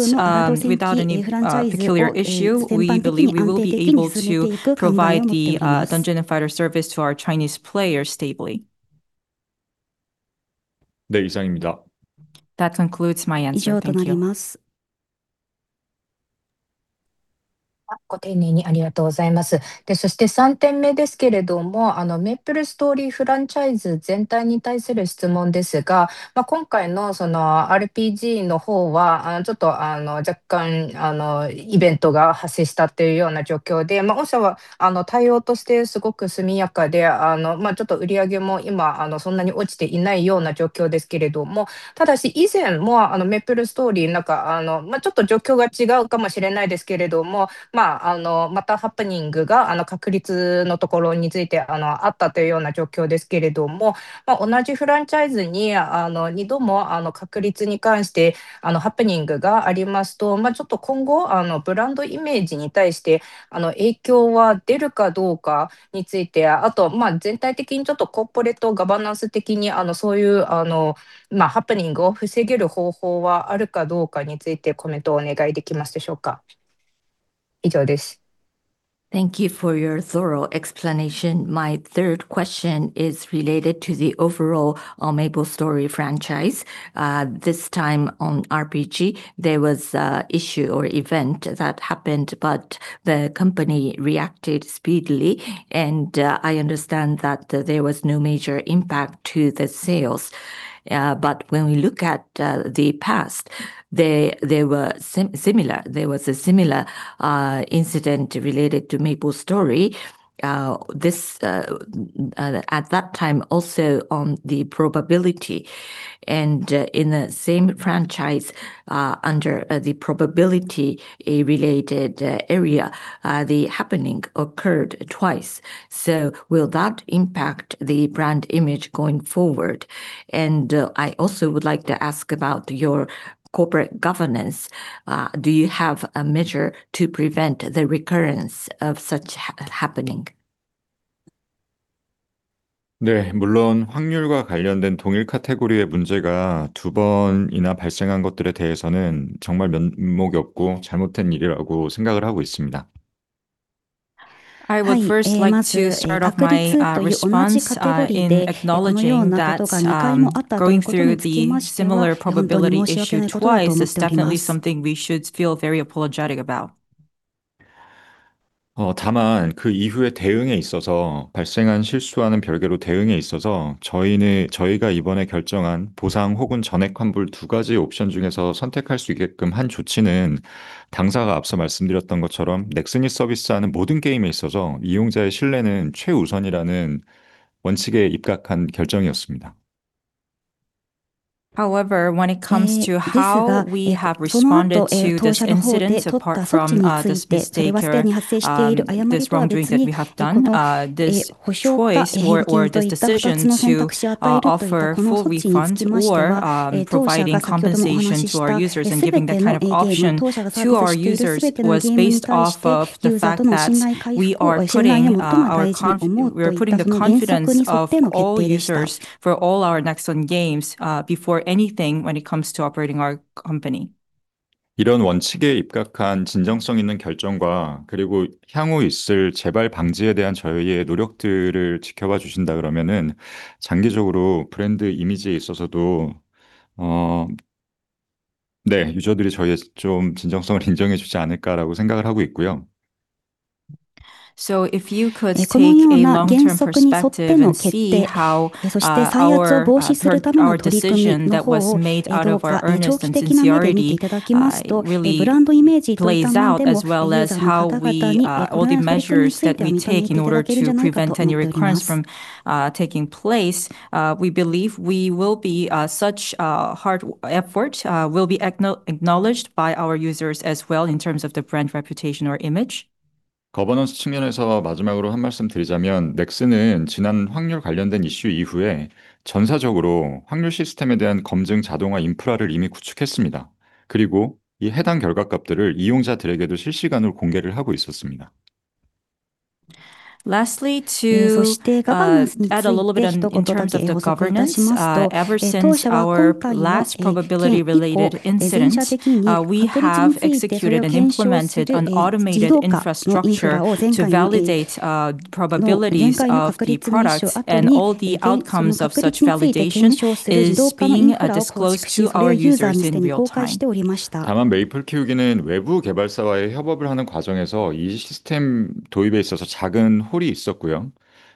C: without any peculiar issue, we believe we will be able to provide the Dungeon and Fighter service to our Chinese players stably.
E: 네, 이상입니다.
C: That concludes my answer. Thank you.
B: ご丁寧にありがとうございます。で、そして三点目ですけども、あのMapleStoryフランチャイズ全体に対する質問ですけど、今回のそのRPGの方は、ちょっとあの、若干あのイベントが発生したというような状況で、御社はあの対応としてすごく迅速で、あの、まあちょっと売り上げも今あんなに落ちてないような状況ですけども。ただし、以前もあのMapleStoryなんか、あの、ちょっと状況が違うかもしれませんけども、まああの、またハプニングがあの確率のところについて、あのあったというような状況ですけども、同じフランチャイズにあの二度もの確率に関してあのハプニングがありますと、まあちょっと今後あのブランドイメージに対してあの影響は出るかどうかについて、あとまあ全体的にちょっとコーポレートガバナンス的に、あの、そういうあの、まあハプニングを防げる方法はあるかどうかについてコメントをお願いできますでしょうか。以上です。Thank you for your thorough explanation. My third question is related to the overall MapleStory franchise. This time on RPG, there was issue or event that happened, but the company reacted speedily, and I understand that there was no major impact to the sales. But when we look at the past, there were similar. There was a similar incident related to MapleStory. At that time, also on the probability and in the same franchise, under the probability, a related area, the happening occurred twice. So will that impact the brand image going forward? And I also would like to ask about your corporate governance. Do you have a measure to prevent the recurrence of such happening?
E: 네, 물론 확률과 관련된 동일 카테고리의 문제가 두 번이나 발생한 것들에 대해서는 정말 면목이 없고 잘못된 일이라고 생각을 하고 있습니다.
C: I would first like to start off my response in acknowledging that going through the similar probability issue twice is definitely something we should feel very apologetic about.
E: 다만 그 이후의 대응에 있어서 발생한 실수와는 별개로 대응에 있어서 저희는 저희가 이번에 결정한 보상 혹은 전액 환불 두 가지 옵션 중에서 선택할 수 있게끔 한 조치는 당사가 앞서 말씀드렸던 것처럼 넥슨이 서비스하는 모든 게임에 있어서 이용자의 신뢰는 최우선이라는 원칙에 입각한 결정이었습니다.
C: However, when it comes to how we have responded to this incident, apart from this mistake and this wrongdoing that we have done, this choice or this decision to offer full refunds or providing compensation to our users and giving that kind of option to our users, was based off of the fact that we are putting the confidence of all users for all our Nexon games before anything, when it comes to operating our company.
E: 이런 원칙에 입각한 진정성 있는 결정과 그리고 향후 있을 재발 방지에 대한 저희의 노력들을 지켜봐 주신다, 그러면은 장기적으로 브랜드 이미지에 있어서도, 어, 네, 유저들이 저희의 좀 진정성을 인정해 주지 않을까라고 생각을 하고 있고요.
C: So if you could take a long-term perspective and see how our decision that was made out of our earnest and sincerity really plays out, as well as how we all the measures that we take in order to prevent any recurrence from taking place, we believe such hard effort will be acknowledged by our users as well in terms of the brand reputation or image.
E: 거버넌스 측면에서 마지막으로 한 말씀 드리자면, 넥슨은 지난 확률 관련된 이슈 이후에 전사적으로 확률 시스템에 대한 검증, 자동화 인프라를 이미 구축했습니다. 그리고 이 해당 결과값들을 이용자들에게도 실시간으로 공개를 하고 있었습니다.
C: Lastly, to add a little bit in terms of the governance, ever since our last probability related incidents, we have executed and implemented an automated infrastructure to validate probabilities of the products and all the outcomes of such validation is being disclosed to our users in real time.
E: 다만, 메이플 키우기는 외부 개발사와의 협업을 하는 과정에서 이 시스템 도입에 있어서 작은 홀이 있었고요.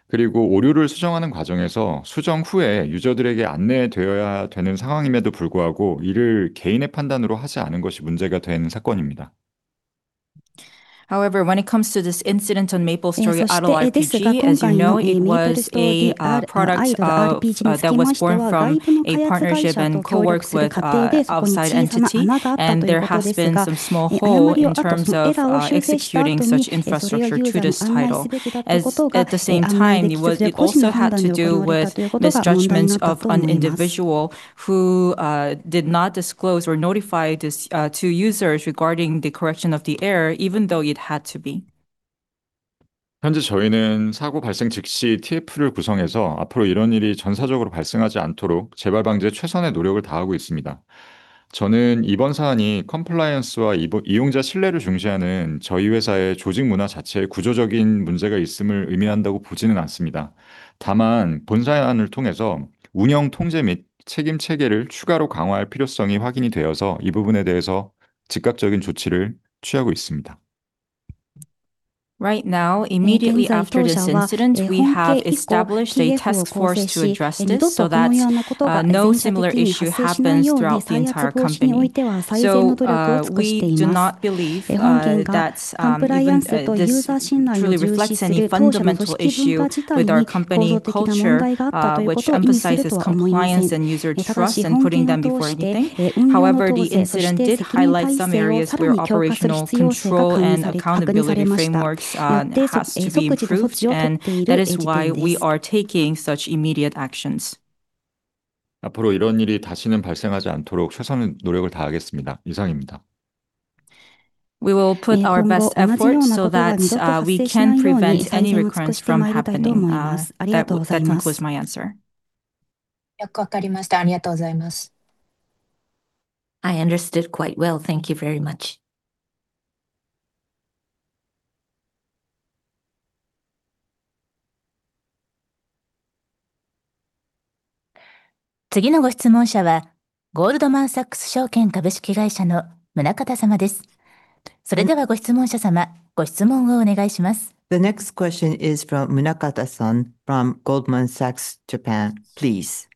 E: 그리고 오류를 수정하는 과정에서 수정 후에 유저들에게 안내되어야 되는 상황임에도 불구하고 이를 개인의 판단으로 하지 않은 것이 문제가 된 사건입니다. ...
C: However, when it comes to this incident on MapleStory Idle RPG, as you know, it was a product that was born from a partnership and co-works with an outside entity, and there has been some small hole in terms of executing such infrastructure to this title. At the same time, it also had to do with misjudgments of an individual who did not disclose or notify this to users regarding the correction of the error, even though it had to be.
B: 현재 저희는 사고 발생 즉시 TF를 구성해서 앞으로 이런 일이 전사적으로 발생하지 않도록 재발방지에 최선의 노력을 다하고 있습니다. 저는 이번 사안이 컴플라이언스와 이용자 신뢰를 중시하는 저희 회사의 조직 문화 자체에 구조적인 문제가 있음을 의미한다고 보지는 않습니다. 다만, 본 사안을 통해서 운영 통제 및 책임 체계를 추가로 강화할 필요성이 확인이 되어서 이 부분에 대해서 즉각적인 조치를 취하고 있습니다.
C: Right now, immediately after this incident, we have established a task force to address this so that no similar issue happens throughout the entire company. So, we do not believe that even this truly reflects any fundamental issue with our company culture, which emphasizes compliance and user trust and putting them before anything. However, the incident did highlight some areas where operational control and accountability frameworks has to be improved, and that is why we are taking such immediate actions.
B: 앞으로 이런 일이 다시는 발생하지 않도록 최선의 노력을 다하겠습니다. 이상입니다.
C: We will put our best efforts so that we can prevent any recurrence from happening. That concludes my answer.
G: よくわかりました。ありがとうございます。
C: I understood quite well. Thank you very much.
G: 次のご質問者は、ゴールドマン・サックス証券株式会社の宗像様です。それでは、ご質問者様、ご質問をお願いします。
C: The next question is from Munakata-san from Goldman Sachs, Japan. Please.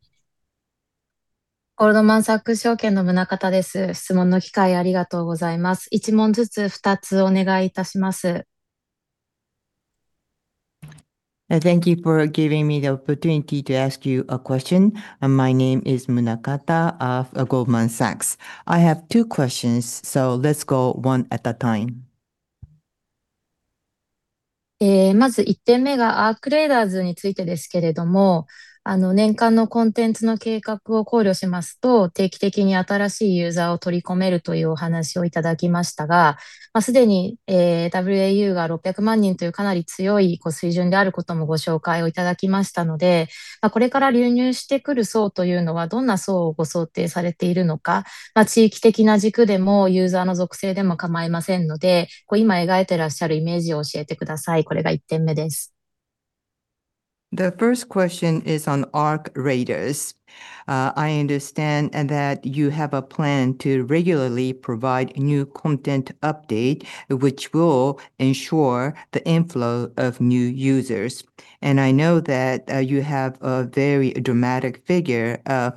G: ゴールドマンサックス証券の宗像です。質問の機会ありがとうございます。一問ずつ二つお願いいたします。
C: Thank you for giving me the opportunity to ask you a question. My name is Munakata of Goldman Sachs. I have two questions, so let's go one at a time. The first question is on ARC Raiders. I understand that you have a plan to regularly provide new content update, which will ensure the inflow of new users. And I know that you have a very dramatic figure of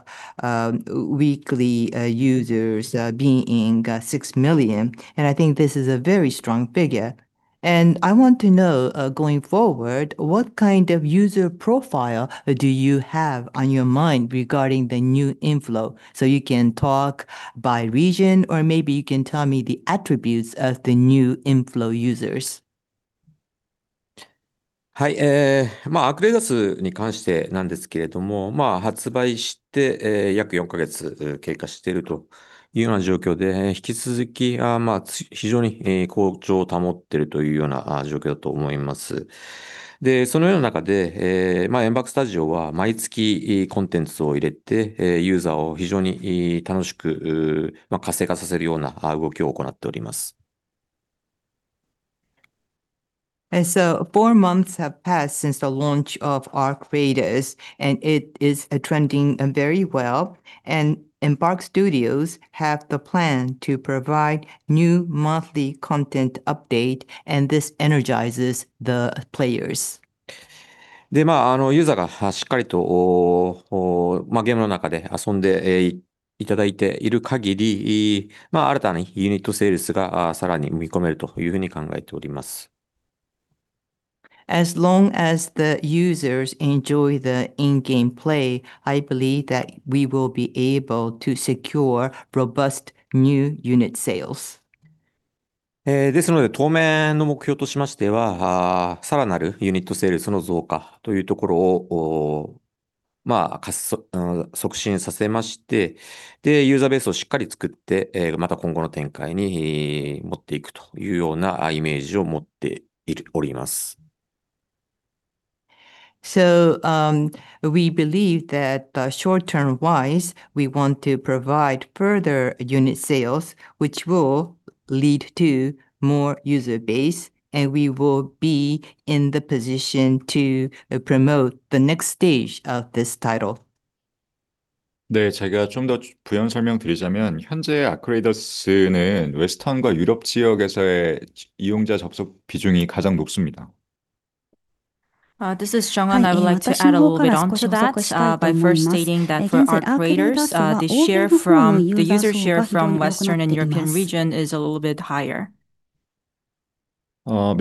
C: weekly users being 6 million, and I think this is a very strong figure. And I want to know, going forward, what kind of user profile do you have on your mind regarding the new inflow? So you can talk by region, or maybe you can tell me the attributes of the new inflow users.
B: はい。まあ、ARC Raidersに関してなんですけれども、まあ発売して、約4ヶ月経過しているというような状況で、引き続き、まあ非常に好調を保っているというような状況だと思っています。で、そのような中で、Embark Studiosは毎月コンテンツを入れて、ユーザーを非常に楽しく活性化させるような動きを行っております。
C: Four months have passed since the launch of ARC Raiders, and it is trending very well. Embark Studios have the plan to provide new monthly content update, and this energizes the players.
B: で、まあ、あの、ユーザーがしっかりと、おー、ゲームの中で遊んでいただいている限り、まあ、新たにユニットセールスがさらに見込めるというふうに考えております。
C: As long as the users enjoy the in-game play, I believe that we will be able to secure robust new unit sales.
B: ですので、当面の目標としては、さらなるユニットセールスの増加というところを、加速促進させて、ユーザーベースをしっかり作って、また今後の展開に持っていくというようなイメージを持っております。
C: So, we believe that, short-term wise, we want to provide further unit sales, which will lead to more user base, and we will be in the position to promote the next stage of this title.
B: explanation. Currently, ARC Raiders has the highest proportion of user connections in the Western and European regions....
C: This is Jeong-An. I would like to add a little bit onto that, by first stating that for our creators, the user share from Western and European region is a little bit higher.
H: Uh,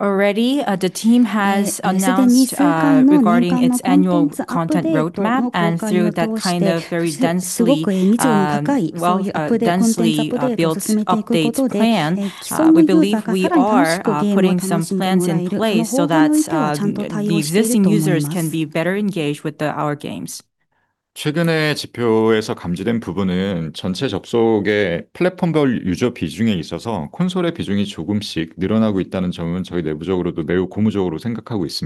C: Already, the team has announced regarding its annual content roadmap. Through that kind of very densely built update plan, we believe we are putting some plans in place so that the existing users can be better engaged with our games. What we have sensed and acknowledged from recent data is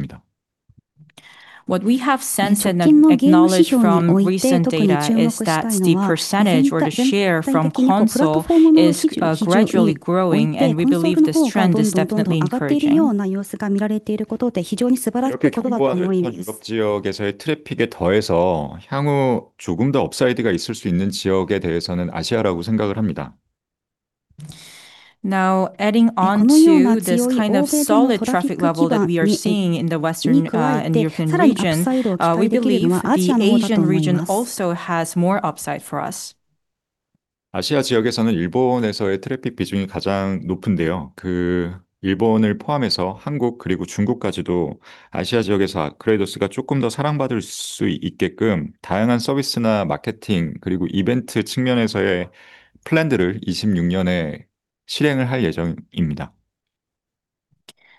C: that the percentage or the share from console is gradually growing, and we believe this trend is definitely encouraging. Now, adding on to this kind of solid traffic level that we are seeing in the western and European region, we believe that the Asian region also has more upside for us.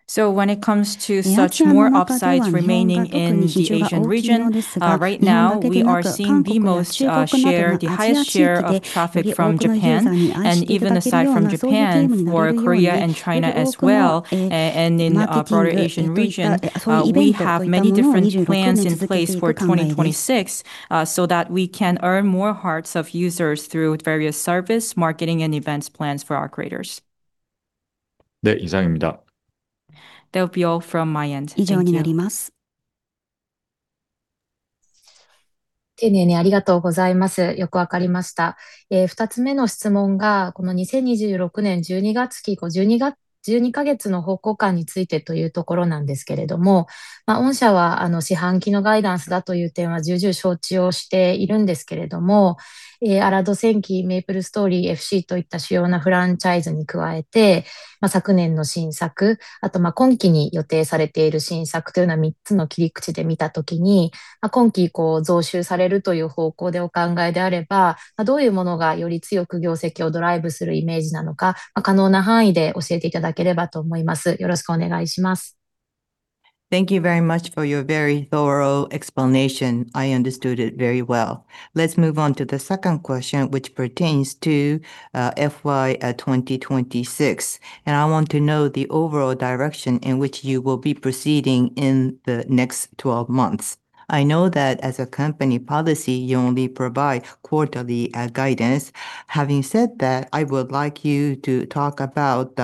C: So when it comes to such more upsides remaining in the Asian region, right now, we are seeing the highest share of traffic from Japan, and even aside from Japan, for Korea and China as well, and in broader Asian region, we have many different plans in place for 2026, so that we can earn more hearts of users through various service, marketing, and events plans for our creators. That will be all from my end. Thank you. Thank you very much for your very thorough explanation. I understood it very well. Let's move on to the second question, which pertains to FY 2026. I want to know the overall direction in which you will be proceeding in the next 12 months. I know that as a company policy, you only provide quarterly guidance. Having said that, I would like you to talk about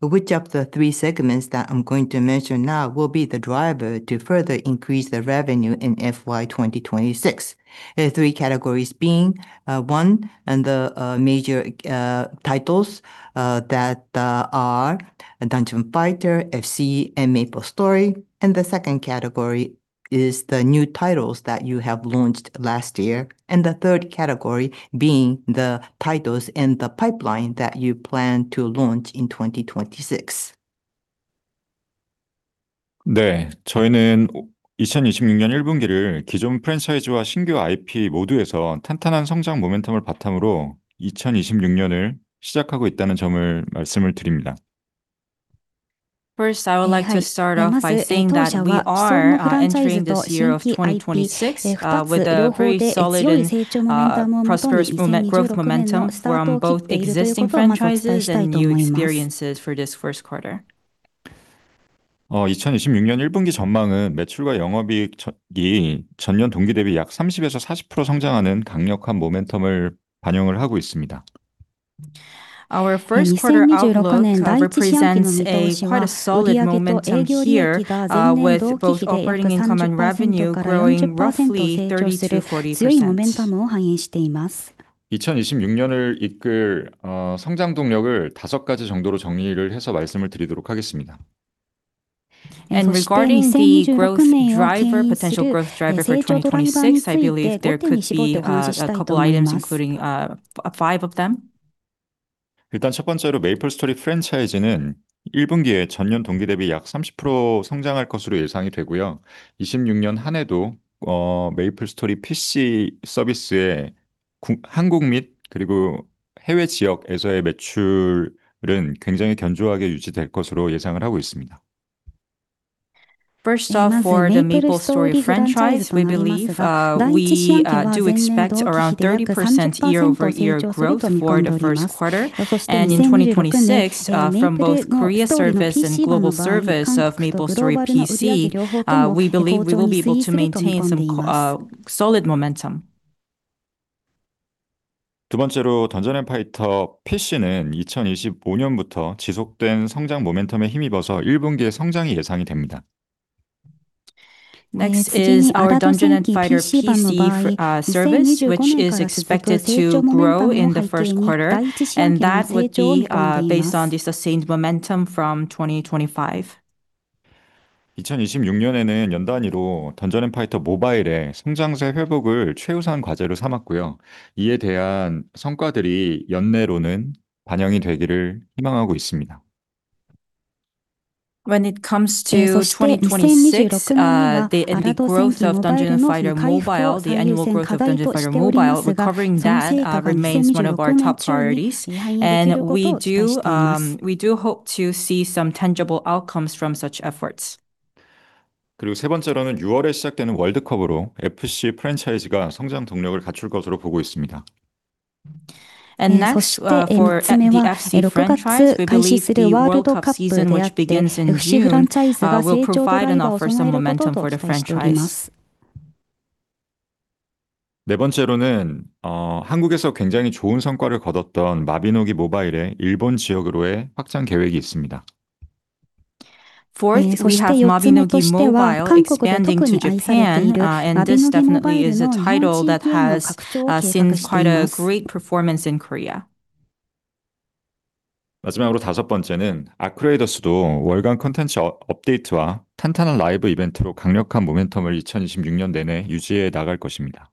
C: which of the three segments that I'm going to mention now will be the driver to further increase the revenue in FY 2026. The three categories being the major titles that are Dungeon Fighter, FC, and MapleStory. The second category is the new titles that you have launched last year, and the third category being the titles in the pipeline that you plan to launch in 2026. First, I would like to start off by saying that we are entering this year of 2026 with a very solid and prosperous growth momentum from both existing franchises and new experiences for this first quarter. Our first quarter outlook represents quite solid momentum here with both operating common revenue growing roughly 30%-40%. And regarding the growth driver, potential growth driver for 2026, I believe there could be a couple items, including five of them. First off, for the MapleStory franchise, we believe we do expect around 30% year-over-year growth for the first quarter. And in 2026 from both Korea service and global service of MapleStory PC, we believe we will be able to maintain some solid momentum....
E: 두 번째로 던전 앤 파이터 PC는 2020년부터 지속된 성장 모멘텀에 힘입어서 1분기에 성장이 예상됩니다.
C: Next is our Dungeon & Fighter PC service, which is expected to grow in the first quarter, and that would be based on the sustained momentum from 2025.
E: 2026년에는 연 단위로 던전 앤 파이터 모바일의 성장세 회복을 최우선 과제로 삼았고요. 이에 대한 성과들이 연내로는 반영이 되기를 희망하고 있습니다.
C: When it comes to 2026, and the growth of Dungeon & Fighter Mobile, the annual growth of Dungeon & Fighter Mobile, recovering that, remains one of our top priorities. And we do, we do hope to see some tangible outcomes from such efforts.
E: World Cup starting in June, the FC Franchise is expected to gain growth momentum.
C: Next, for the FC Franchise, we believe the World Cup season, which begins in June, will provide and offer some momentum for the franchise.
E: 네 번째로는 한국에서 굉장히 좋은 성과를 거뒀던 마비노기 모바일의 일본 지역으로의 확장 계획이 있습니다.
C: Fourth, we have Mabinogi Mobile expanding to Japan, and this definitely is a title that has seen quite a great performance in Korea.
E: is ARC Raiders also with monthly content updates and solid live events strong momentum throughout 2026 will maintain.
C: And lastly, number five, ARC Raiders, of course, we do expect the title to sustain the strong momentum throughout the year, based on monthly content drops, as well as strong live events.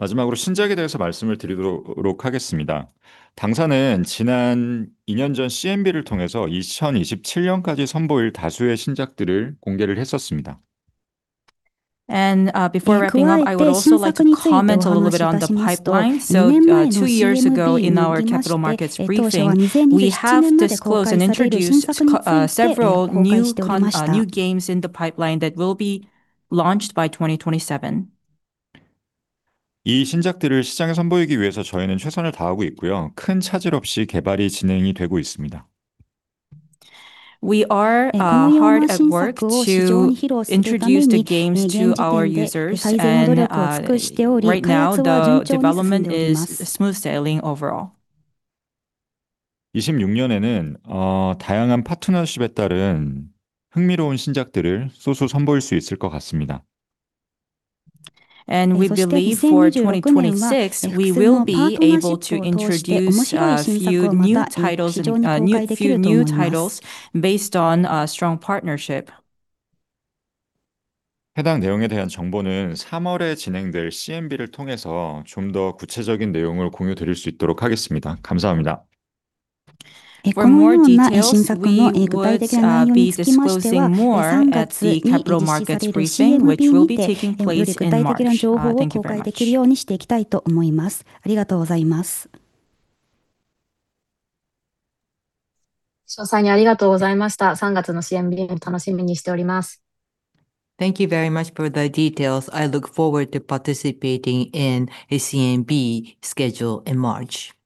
E: 마지막으로 신작에 대해서 말씀을 드리도록 하겠습니다. 당사는 지난 2년 전 CMB를 통해서 2027년까지 선보일 다수의 신작들을 공개를 했었습니다.
C: And, before wrapping up, I would also like to comment a little bit on the pipeline. So, two years ago, in our Capital Market Briefing, we have disclosed and introduced several new games in the pipeline that will be launched by 2027.
E: 이 신작들을 시장에 선보이기 위해서 저희는 최선을 다하고 있고요. 큰 차질 없이 개발이 진행이 되고 있습니다.
C: We are hard at work to introduce the games to our users. And right now, the development is smooth sailing overall.
E: 2026년에는 다양한 파트너십에 따른 흥미로운 신작들을 소수 선보일 수 있을 것 같습니다.
C: We believe for 2026, we will be able to introduce a few new titles and few new titles based on strong partnership.
E: 해당 내용에 대한 정보는 삼월에 진행될 CMB를 통해서 좀더 구체적인 내용을 공유드릴 수 있도록 하겠습니다. 감사합니다.
C: For more details, we would be disclosing more at the capital markets briefing, which will be taking place in March. Thank you very much.
G: 詳細にありがとうございました。三月のCMBを楽しみにしております。
C: Thank you very much for the details. I look forward to participating in the CMB schedule in March.